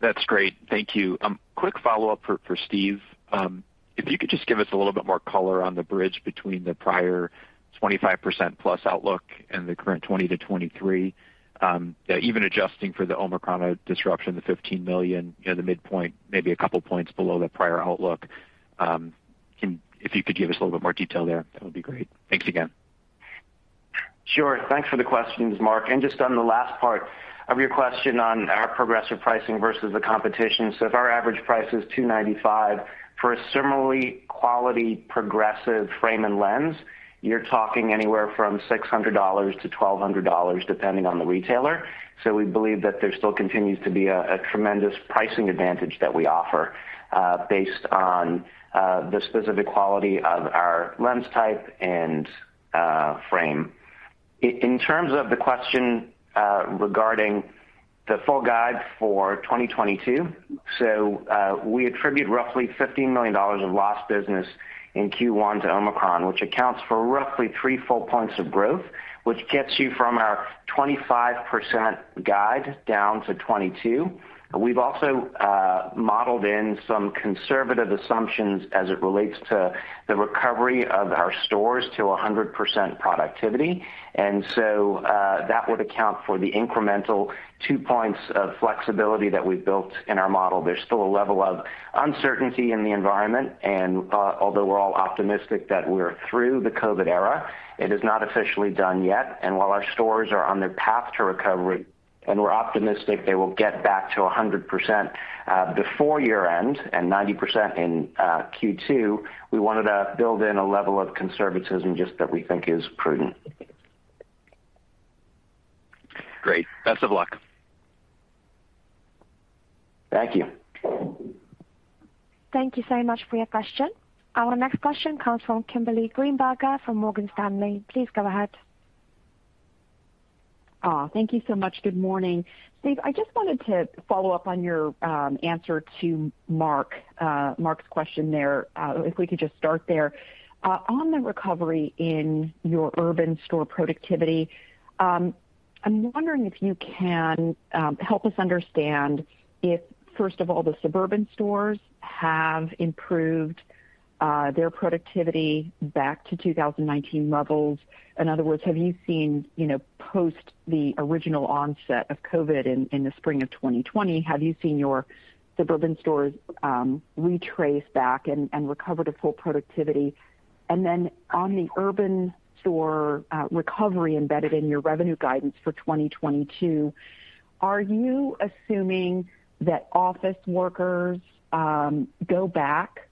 That's great. Thank you. Quick follow-up for Steve. If you could just give us a little bit more color on the bridge between the prior 25%+ outlook and the current 20%-23%, even adjusting for the Omicron disruption, the $15 million, you know, the midpoint, maybe a couple of points below the prior outlook. If you could give us a little bit more detail there, that would be great. Thanks again.
Sure. Thanks for the questions, Mark. Just on the last part of your question on our progressive pricing versus the competition. If our average price is $295 for a similarly quality progressive frame and lens, you're talking anywhere from $600-$1,200, depending on the retailer. We believe that there still continues to be a tremendous pricing advantage that we offer, based on the specific quality of our lens type and frame. In terms of the question regarding the full guide for 2022. We attribute roughly $15 million of lost business in Q1 to Omicron, which accounts for roughly three full points of growth, which gets you from our 25% guide down to 22%. We've also modeled in some conservative assumptions as it relates to the recovery of our stores to 100% productivity. That would account for the incremental two points of flexibility that we've built in our model. There's still a level of uncertainty in the environment, and although we're all optimistic that we're through the COVID era, it is not officially done yet. While our stores are on their path to recovery, and we're optimistic they will get back to 100%, before year-end and 90% in Q2, we wanted to build in a level of conservatism just that we think is prudent.
Great. Best of luck.
Thank you.
Thank you so much for your question. Our next question comes from Kimberly Greenberger from Morgan Stanley. Please go ahead.
Thank you so much. Good morning. Steve, I just wanted to follow up on your answer to Mark's question there, if we could just start there. On the recovery in your urban store productivity, I'm wondering if you can help us understand if, first of all, the suburban stores have improved their productivity back to 2019 levels. In other words, have you seen, you know, post the original onset of COVID in the spring of 2020, have you seen your suburban stores retrace back and recover to full productivity? On the urban store recovery embedded in your revenue guidance for 2022, are you assuming that office workers go back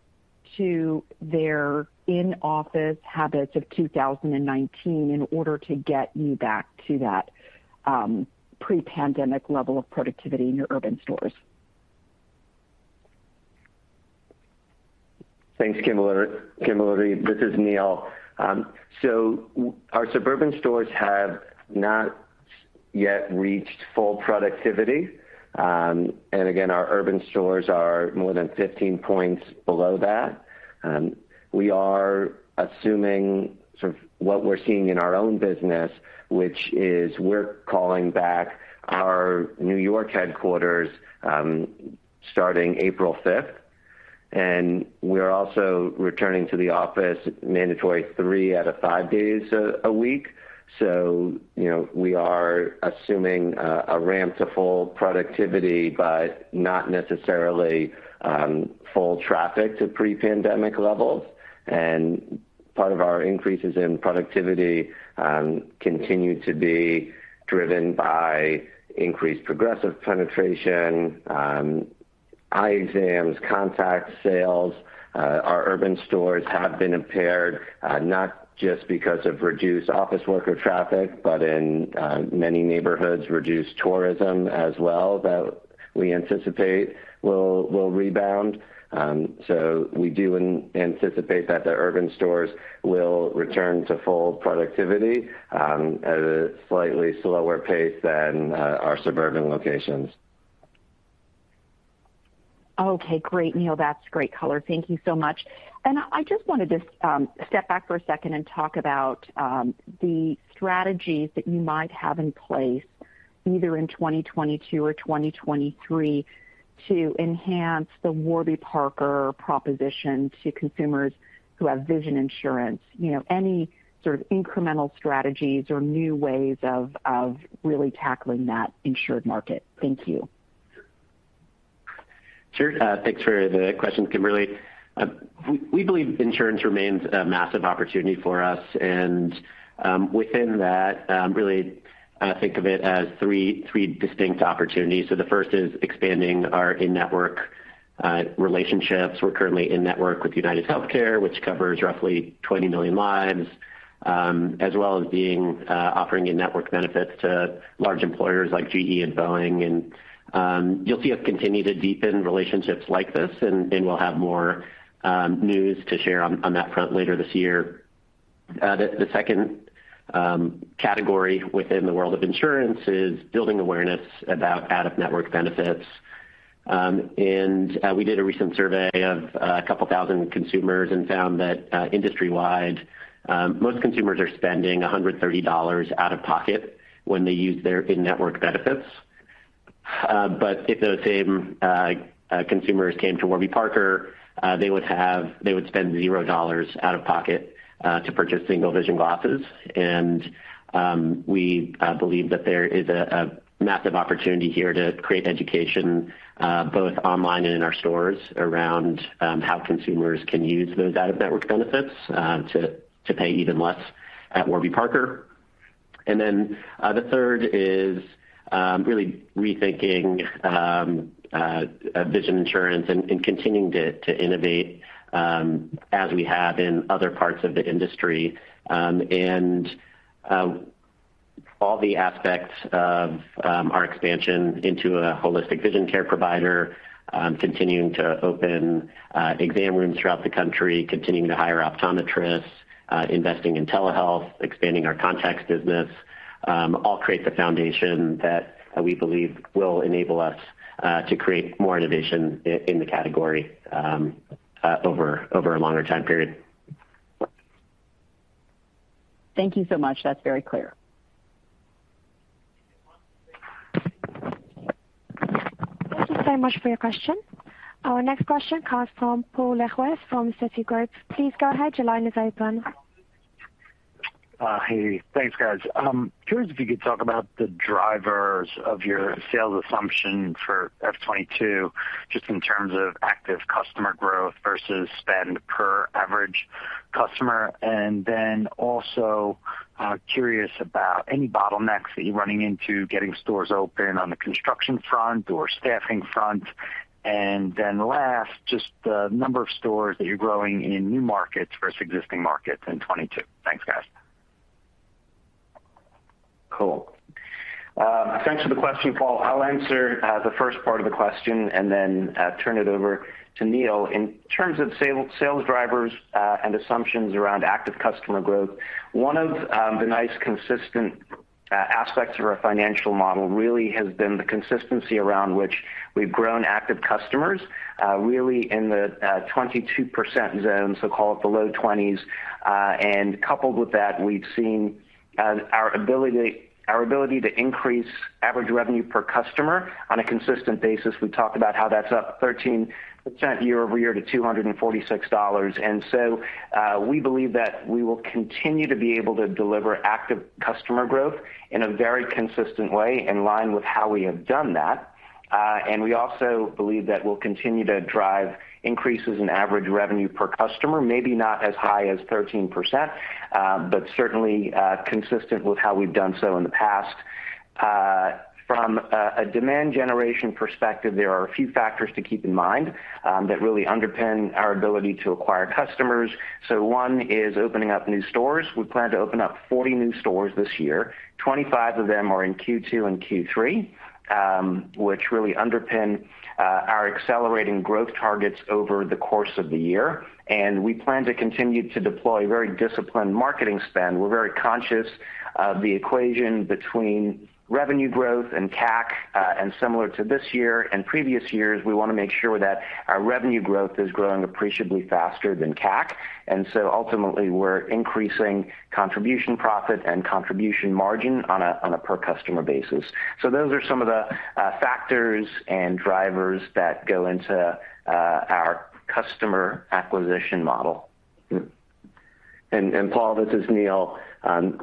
to their in-office habits of 2019 in order to get you back to that pre-pandemic level of productivity in your urban stores?
Thanks, Kimberly. Kimberly, this is Neil. Our suburban stores have not yet reached full productivity. Again, our urban stores are more than 15 points below that. We are assuming sort of what we're seeing in our own business, which is we're calling back our New York headquarters, starting April 5th, and we're also returning to the office mandatory three out of five days a week. You know, we are assuming a ramp to full productivity, but not necessarily full traffic to pre-pandemic levels. Part of our increases in productivity continue to be driven by increased progressive penetration, eye exams, contact sales. Our urban stores have been impaired not just because of reduced office worker traffic, but in many neighborhoods, reduced tourism as well that we anticipate will rebound. We anticipate that the urban stores will return to full productivity at a slightly slower pace than our suburban locations.
Okay, great, Neil. That's great color. Thank you so much. I just wanted to step back for a second and talk about the strategies that you might have in place, either in 2022 or 2023 to enhance the Warby Parker proposition to consumers who have vision insurance. You know, any sort of incremental strategies or new ways of really tackling that insured market. Thank you.
Sure. Thanks for the question, Kimberly. We believe insurance remains a massive opportunity for us, and within that, really think of it as three distinct opportunities. The first is expanding our in-network relationships. We're currently in network with UnitedHealthcare, which covers roughly 20 million lives, as well as offering in-network benefits to large employers like GE and Boeing. You'll see us continue to deepen relationships like this, and we'll have more news to share on that front later this year. The second category within the world of insurance is building awareness about out-of-network benefits. We did a recent survey of a couple thousand consumers and found that industry-wide most consumers are spending $130 out of pocket when they use their in-network benefits. If those same consumers came to Warby Parker, they would spend $0 out of pocket to purchase single-vision glasses. We believe that there is a massive opportunity here to create education both online and in our stores around how consumers can use those out-of-network benefits to pay even less at Warby Parker. The third is really rethinking vision insurance and continuing to innovate as we have in other parts of the industry. All the aspects of our expansion into a holistic vision care provider, continuing to open exam rooms throughout the country, continuing to hire optometrists, investing in telehealth, expanding our contacts business, all create the foundation that we believe will enable us to create more innovation in the category over a longer time period.
Thank you so much. That's very clear.
Thank you so much for your question. Our next question comes from Paul Lejuez from Citigroup. Please go ahead. Your line is open.
Hey. Thanks, guys. Curious if you could talk about the drivers of your sales assumption for FY 2022, just in terms of active customer growth versus spend per average customer. Then also, curious about any bottlenecks that you're running into getting stores open on the construction front or staffing front. Last, just the number of stores that you're growing in new markets versus existing markets in 2022. Thanks, guys.
Cool. Thanks for the question, Paul. I'll answer the first part of the question and then turn it over to Neil. In terms of sales drivers and assumptions around active customer growth, one of the nice consistent aspects of our financial model really has been the consistency around which we've grown active customers really in the 22% zone, so call it the low 20s. Coupled with that, we've seen our ability to increase average revenue per customer on a consistent basis. We talked about how that's up 13% year-over-year to $246. We believe that we will continue to be able to deliver active customer growth in a very consistent way in line with how we have done that. We also believe that we'll continue to drive increases in average revenue per customer, maybe not as high as 13%, but certainly consistent with how we've done so in the past. From a demand generation perspective, there are a few factors to keep in mind that really underpin our ability to acquire customers. One is opening up new stores. We plan to open up 40 new stores this year. 25 of them are in Q2 and Q3, which really underpin our accelerating growth targets over the course of the year. We plan to continue to deploy very disciplined marketing spend. We're very conscious of the equation between revenue growth and CAC. Similar to this year and previous years, we wanna make sure that our revenue growth is growing appreciably faster than CAC. Ultimately, we're increasing contribution profit and contribution margin on a per customer basis. Those are some of the factors and drivers that go into our customer acquisition model.
Paul, this is Neil.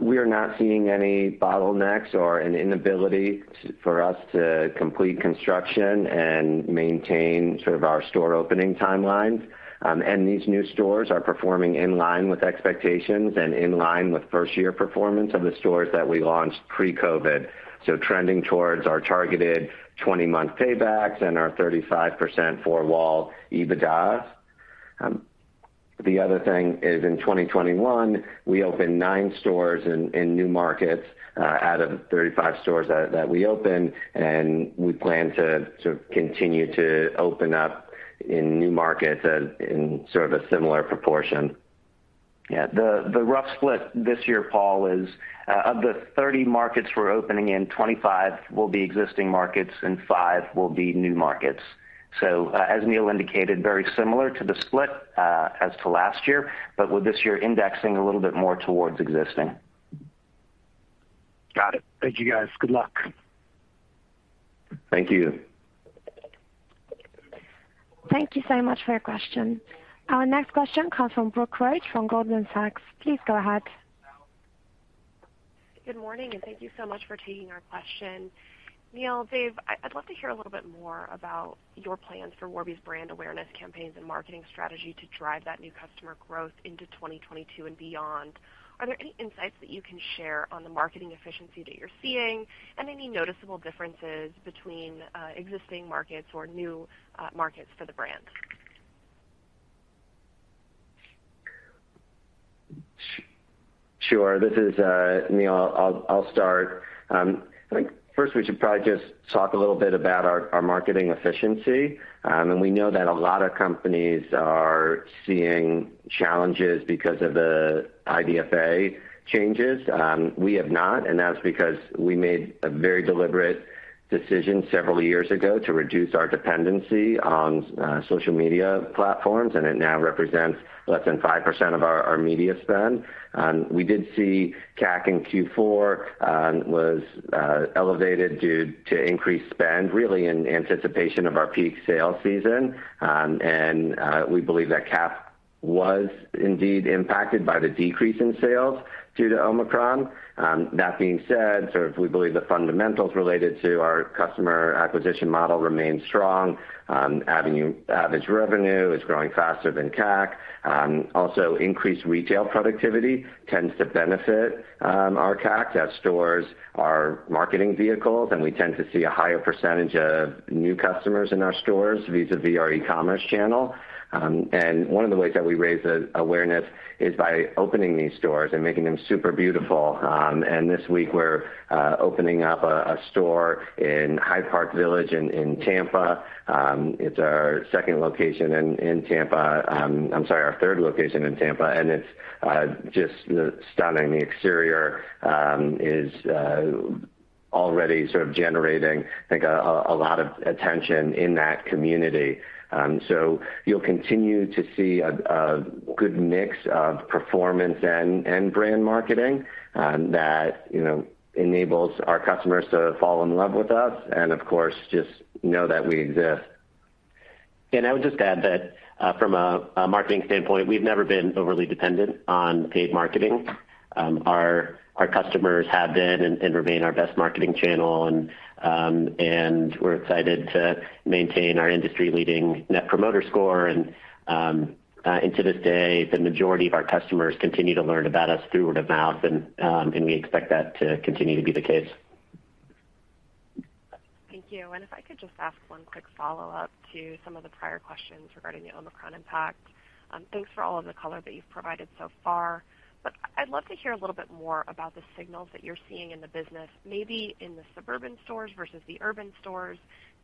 We are not seeing any bottlenecks or an inability for us to complete construction and maintain sort of our store opening timelines. These new stores are performing in line with expectations and in line with first year performance of the stores that we launched pre-COVID. Trending towards our targeted 20-month paybacks and our 35% four-wall EBITDAs. The other thing is in 2021, we opened nine stores in new markets out of 35 stores that we opened, and we plan to continue to open up in new markets in sort of a similar proportion.
Yeah. The rough split this year, Paul, is of the 30 markets we're opening in, 25 will be existing markets and 5 will be new markets. As Neil indicated, very similar to the split as to last year, but with this year indexing a little bit more towards existing.
Got it. Thank you, guys. Good luck.
Thank you.
Thank you so much for your question. Our next question comes from Brooke Roach from Goldman Sachs. Please go ahead.
Good morning, and thank you so much for taking our question. Neil, Dave, I'd love to hear a little bit more about your plans for Warby's brand awareness campaigns and marketing strategy to drive that new customer growth into 2022 and beyond. Are there any insights that you can share on the marketing efficiency that you're seeing and any noticeable differences between existing markets or new markets for the brand?
Sure. This is Neil. I'll start. I think first we should probably just talk a little bit about our marketing efficiency. We know that a lot of companies are seeing challenges because of the IDFA changes. We have not, and that's because we made a very deliberate decision several years ago to reduce our dependency on social media platforms, and it now represents less than 5% of our media spend. We did see CAC in Q4 was elevated due to increased spend, really in anticipation of our peak sales season. We believe that CAC was indeed impacted by the decrease in sales due to Omicron. That being said, sort of we believe the fundamentals related to our customer acquisition model remain strong. Average revenue is growing faster than CAC. Also increased retail productivity tends to benefit our CAC as stores are marketing vehicles, and we tend to see a higher percentage of new customers in our stores vis-´´a-vis our e-commerce channel. One of the ways that we raise the awareness is by opening these stores and making them super beautiful. This week, we're opening up a store in Hyde Park Village in Tampa. It's our second location in Tampa. I'm sorry, our third location in Tampa, and it's just stunning. The exterior is already sort of generating, I think, a lot of attention in that community. So you'll continue to see a good mix of performance and brand marketing that, you know, enables our customers to fall in love with us and of course, just know that we exist.
I would just add that, from a marketing standpoint, we've never been overly dependent on paid marketing. Our customers have been and remain our best marketing channel. We're excited to maintain our industry-leading Net Promoter Score. To this day, the majority of our customers continue to learn about us through word of mouth, and we expect that to continue to be the case.
Thank you. If I could just ask one quick follow-up to some of the prior questions regarding the Omicron impact. Thanks for all of the color that you've provided so far, but I'd love to hear a little bit more about the signals that you're seeing in the business, maybe in the suburban stores versus the urban stores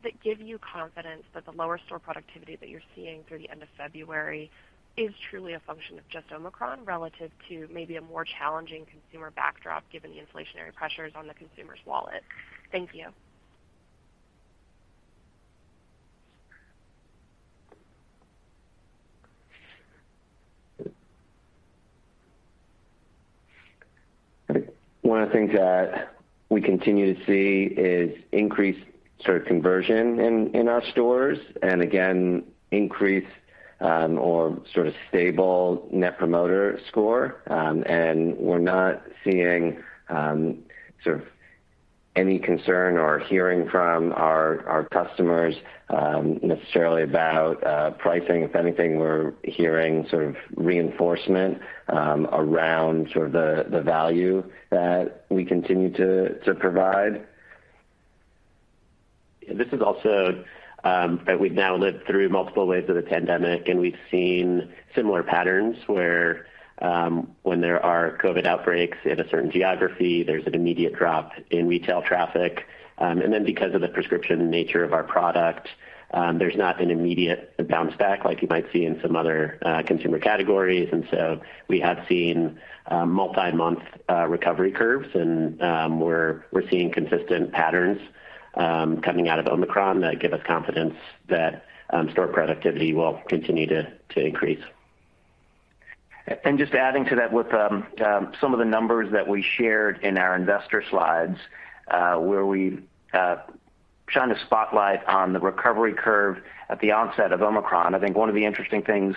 that give you confidence that the lower store productivity that you're seeing through the end of February is truly a function of just Omicron relative to maybe a more challenging consumer backdrop, given the inflationary pressures on the consumer's wallet. Thank you.
One of the things that we continue to see is increased sort of conversion in our stores, and again, increased or sort of stable Net Promoter Score. We're not seeing sort of any concern or hearing from our customers necessarily about pricing. If anything, we're hearing sort of reinforcement around sort of the value that we continue to provide.
This is also that we've now lived through multiple waves of the pandemic, and we've seen similar patterns where when there are COVID outbreaks in a certain geography, there's an immediate drop in retail traffic. Then because of the prescription nature of our product, there's not an immediate bounce back like you might see in some other consumer categories. We have seen multi-month recovery curves, and we're seeing consistent patterns coming out of Omicron that give us confidence that store productivity will continue to increase.
Just adding to that with some of the numbers that we shared in our investor slides, where we shine a spotlight on the recovery curve at the onset of Omicron. I think one of the interesting things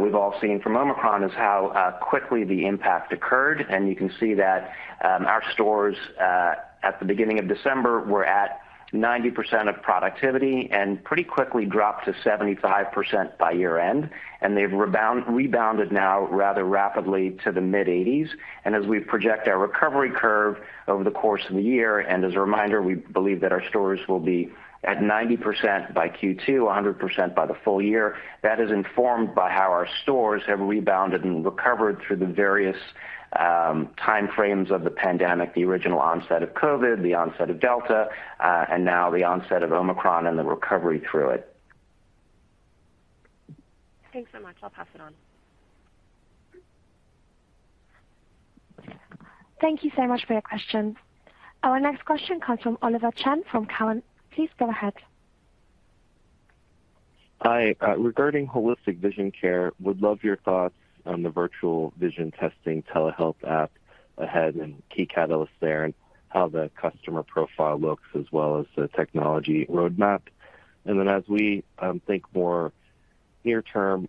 we've all seen from Omicron is how quickly the impact occurred. You can see that our stores at the beginning of December were at 90% of productivity and pretty quickly dropped to 75% by year-end. They've rebounded now rather rapidly to the mid-80s. As we project our recovery curve over the course of the year, and as a reminder, we believe that our stores will be at 90% by Q2, 100% by the full year. That is informed by how our stores have rebounded and recovered through the various, time frames of the pandemic, the original onset of COVID, the onset of Delta, and now the onset of Omicron and the recovery through it.
Thanks so much. I'll pass it on.
Thank you so much for your questions. Our next question comes from Oliver Chen from Cowen. Please go ahead.
Hi. Regarding holistic vision care, would love your thoughts on the Virtual Vision Test telehealth app ahead and key catalysts there, and how the customer profile looks as well as the technology roadmap. Then as we think more near term,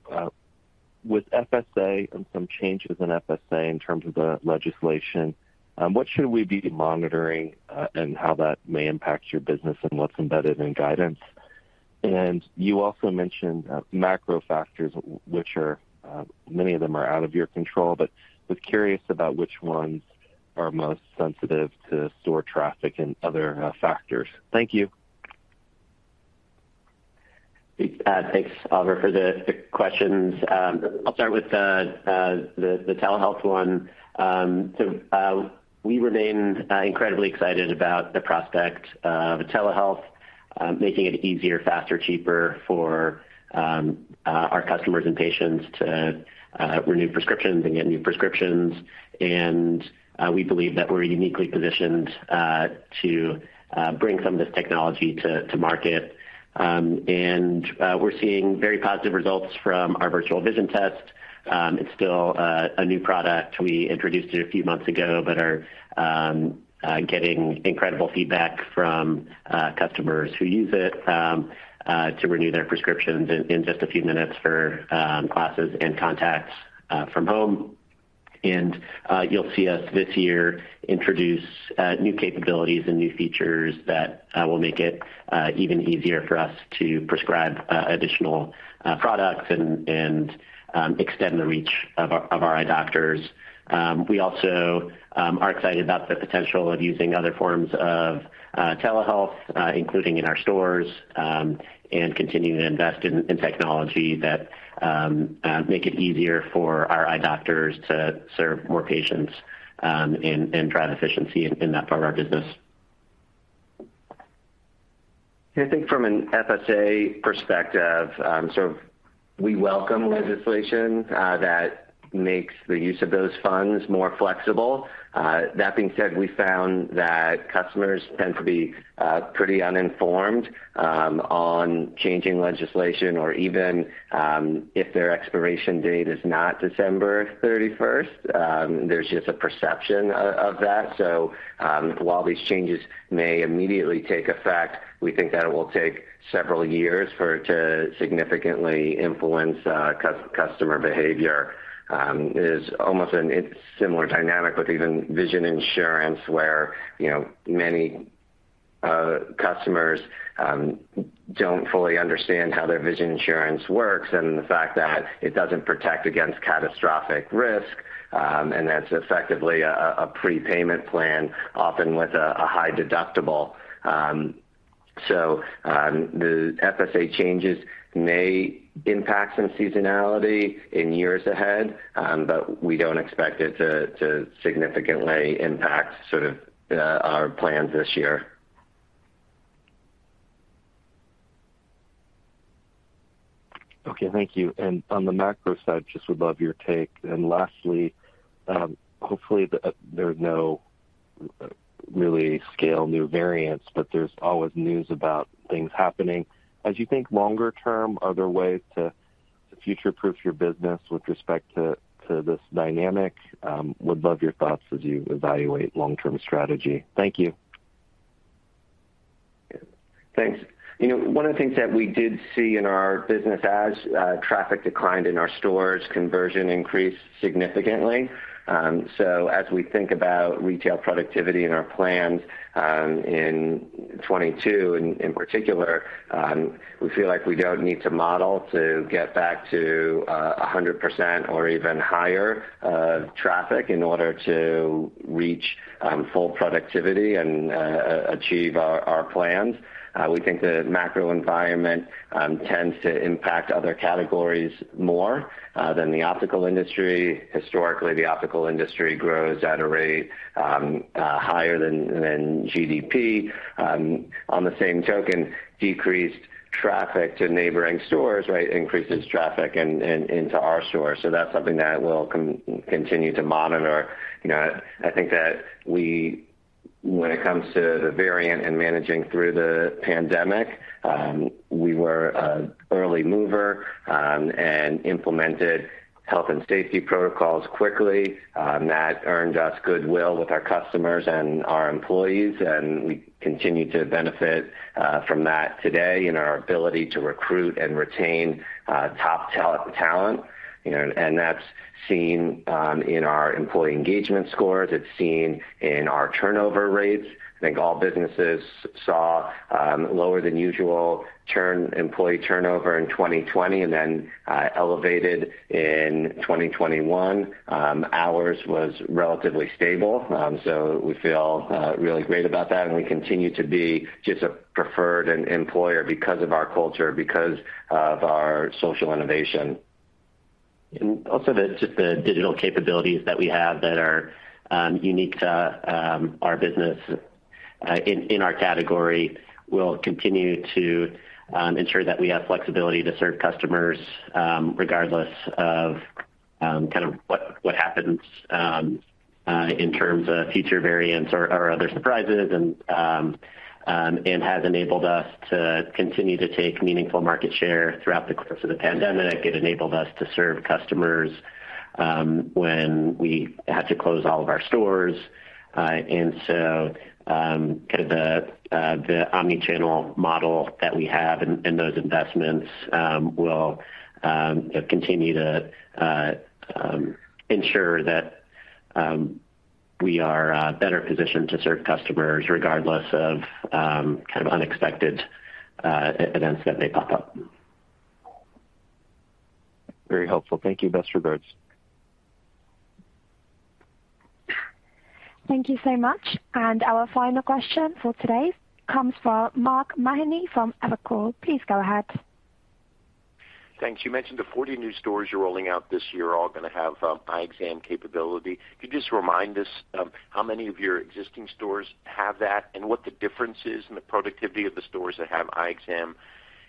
with FSA and some changes in FSA in terms of the legislation, what should we be monitoring, and how that may impact your business and what's embedded in guidance? You also mentioned macro factors which are many of them are out of your control, but was curious about which ones are most sensitive to store traffic and other factors. Thank you.
Thanks, Oliver, for the questions. I'll start with the telehealth one. We remain incredibly excited about the prospect of telehealth making it easier, faster, cheaper for our customers and patients to renew prescriptions and get new prescriptions. We believe that we're uniquely positioned to bring some of this technology to market. We're seeing very positive results from our Virtual Vision Test. It's still a new product. We introduced it a few months ago, but are getting incredible feedback from customers who use it to renew their prescriptions in just a few minutes for glasses and contacts from home. You'll see us this year introduce new capabilities and new features that will make it even easier for us to prescribe additional products and extend the reach of our eye doctors. We also are excited about the potential of using other forms of telehealth, including in our stores, and continuing to invest in technology that make it easier for our eye doctors to serve more patients, and drive efficiency in that part of our business.
I think from an FSA perspective, sort of we welcome legislation that makes the use of those funds more flexible. That being said, we found that customers tend to be pretty uninformed on changing legislation or even if their expiration date is not December 31st. There's just a perception of that. While these changes may immediately take effect, we think that it will take several years for it to significantly influence customer behavior. It is almost a similar dynamic with even vision insurance where, you know, many customers don't fully understand how their vision insurance works and the fact that it doesn't protect against catastrophic risk, and that's effectively a prepayment plan, often with a high deductible. The FSA changes may impact some seasonality in years ahead, but we don't expect it to significantly impact sort of our plans this year.
Okay. Thank you. On the macro side, just would love your take. Lastly, hopefully there's no really scary new variants, but there's always news about things happening. As you think longer term, are there ways to future-proof your business with respect to this dynamic? Would love your thoughts as you evaluate long-term strategy. Thank you.
Thanks. You know, one of the things that we did see in our business as traffic declined in our stores, conversion increased significantly. As we think about retail productivity and our plans in 2022 in particular, we feel like we don't need to model to get back to 100% or even higher traffic in order to reach full productivity and achieve our plans. We think the macro environment tends to impact other categories more than the optical industry. Historically, the optical industry grows at a rate higher than GDP. On the same token, decreased traffic to neighboring stores, right, increases traffic into our stores. That's something that we'll continue to monitor. You know, I think that we... When it comes to the variant and managing through the pandemic, we were an early mover and implemented health and safety protocols quickly that earned us goodwill with our customers and our employees, and we continue to benefit from that today in our ability to recruit and retain top talent, you know, and that's seen in our employee engagement scores. It's seen in our turnover rates. I think all businesses saw lower than usual employee turnover in 2020, and then elevated in 2021. Ours was relatively stable, so we feel really great about that, and we continue to be just a preferred employer because of our culture, because of our social innovation.
Also just the digital capabilities that we have that are unique to our business in our category will continue to ensure that we have flexibility to serve customers regardless of kind of what happens in terms of future variants or other surprises and has enabled us to continue to take meaningful market share throughout the course of the pandemic. It enabled us to serve customers when we had to close all of our stores. Kind of the omni-channel model that we have and those investments will continue to ensure that we are better positioned to serve customers regardless of kind of unexpected events that may pop up.
Very helpful. Thank you. Best regards.
Thank you so much. Our final question for today comes from Mark Mahaney from Evercore. Please go ahead.
Thanks. You mentioned the 40 new stores you're rolling out this year are all gonna have eye exam capability. Could you just remind us how many of your existing stores have that and what the difference is in the productivity of the stores that have eye exam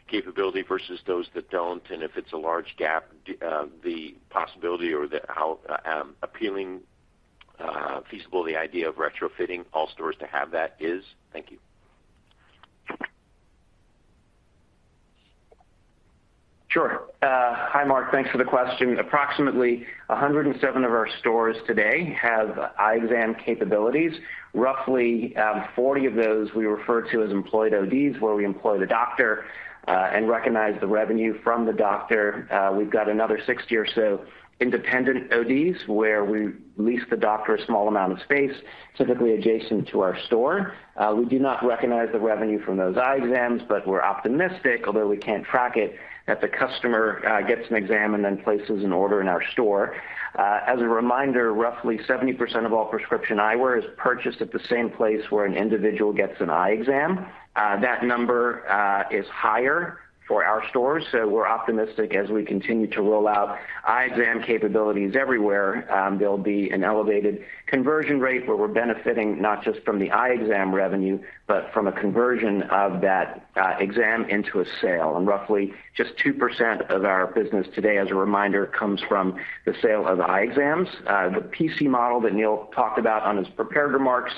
capability versus those that don't? If it's a large gap, the possibility or how appealing, feasible the idea of retrofitting all stores to have that is? Thank you.
Sure. Hi, Mark. Thanks for the question. Approximately 107 of our stores today have eye exam capabilities. Roughly, 40 of those we refer to as employed ODs, where we employ the doctor, and recognize the revenue from the doctor. We've got another 60 or so independent ODs, where we lease the doctor a small amount of space, typically adjacent to our store. We do not recognize the revenue from those eye exams, but we're optimistic, although we can't track it, that the customer gets an exam and then places an order in our store. As a reminder, roughly 70% of all prescription eyewear is purchased at the same place where an individual gets an eye exam. That number is higher for our stores. We're optimistic as we continue to roll out eye exam capabilities everywhere. There'll be an elevated conversion rate where we're benefiting not just from the eye exam revenue, but from a conversion of that exam into a sale. Roughly just 2% of our business today, as a reminder, comes from the sale of eye exams. The PC model that Neil talked about on his prepared remarks,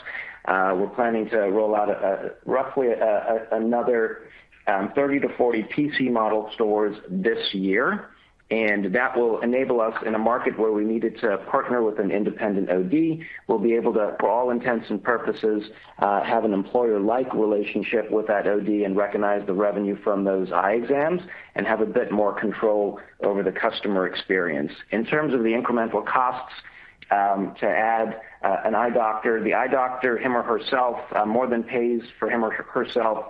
we're planning to roll out roughly another 30-40 PC model stores this year, and that will enable us in a market where we needed to partner with an independent OD. We'll be able to, for all intents and purposes, have an employer-like relationship with that OD and recognize the revenue from those eye exams and have a bit more control over the customer experience. In terms of the incremental costs to add an eye doctor. The eye doctor, him or herself, more than pays for him or herself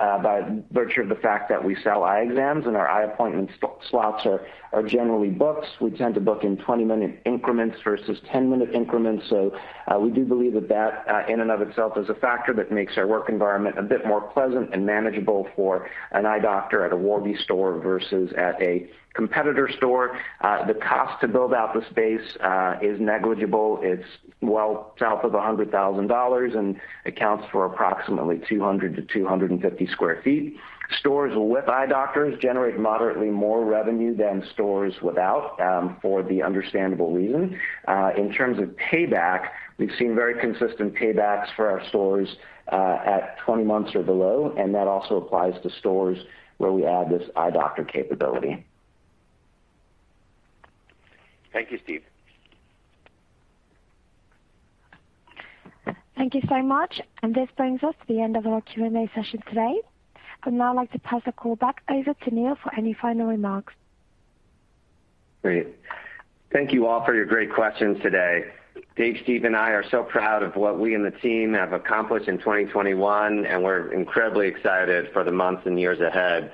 by virtue of the fact that we sell eye exams and our eye appointment slots are generally booked. We tend to book in 20-minute increments versus 10-minute increments. We do believe that in and of itself is a factor that makes our work environment a bit more pleasant and manageable for an eye doctor at a Warby store versus at a competitor store. The cost to build out the space is negligible. It's well south of $100,000 and accounts for approximately 200 sq ft-250 sq ft. Stores with eye doctors generate moderately more revenue than stores without for the understandable reason. In terms of payback, we've seen very consistent paybacks for our stores at 20 months or below, and that also applies to stores where we add this eye doctor capability.
Thank you, Steve.
Thank you so much. This brings us to the end of our Q&A session today. I'd now like to pass the call back over to Neil for any final remarks.
Great. Thank you all for your great questions today. Dave, Steve, and I are so proud of what we and the team have accomplished in 2021, and we're incredibly excited for the months and years ahead.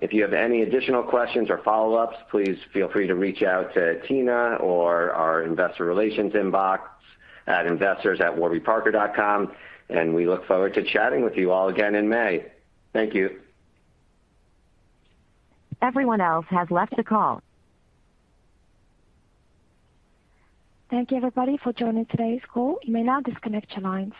If you have any additional questions or follow-ups, please feel free to reach out to Tina or our investor relations inbox at investors@warbyparker.com, and we look forward to chatting with you all again in May. Thank you.
Thank you everybody for joining today's call. You may now disconnect your lines.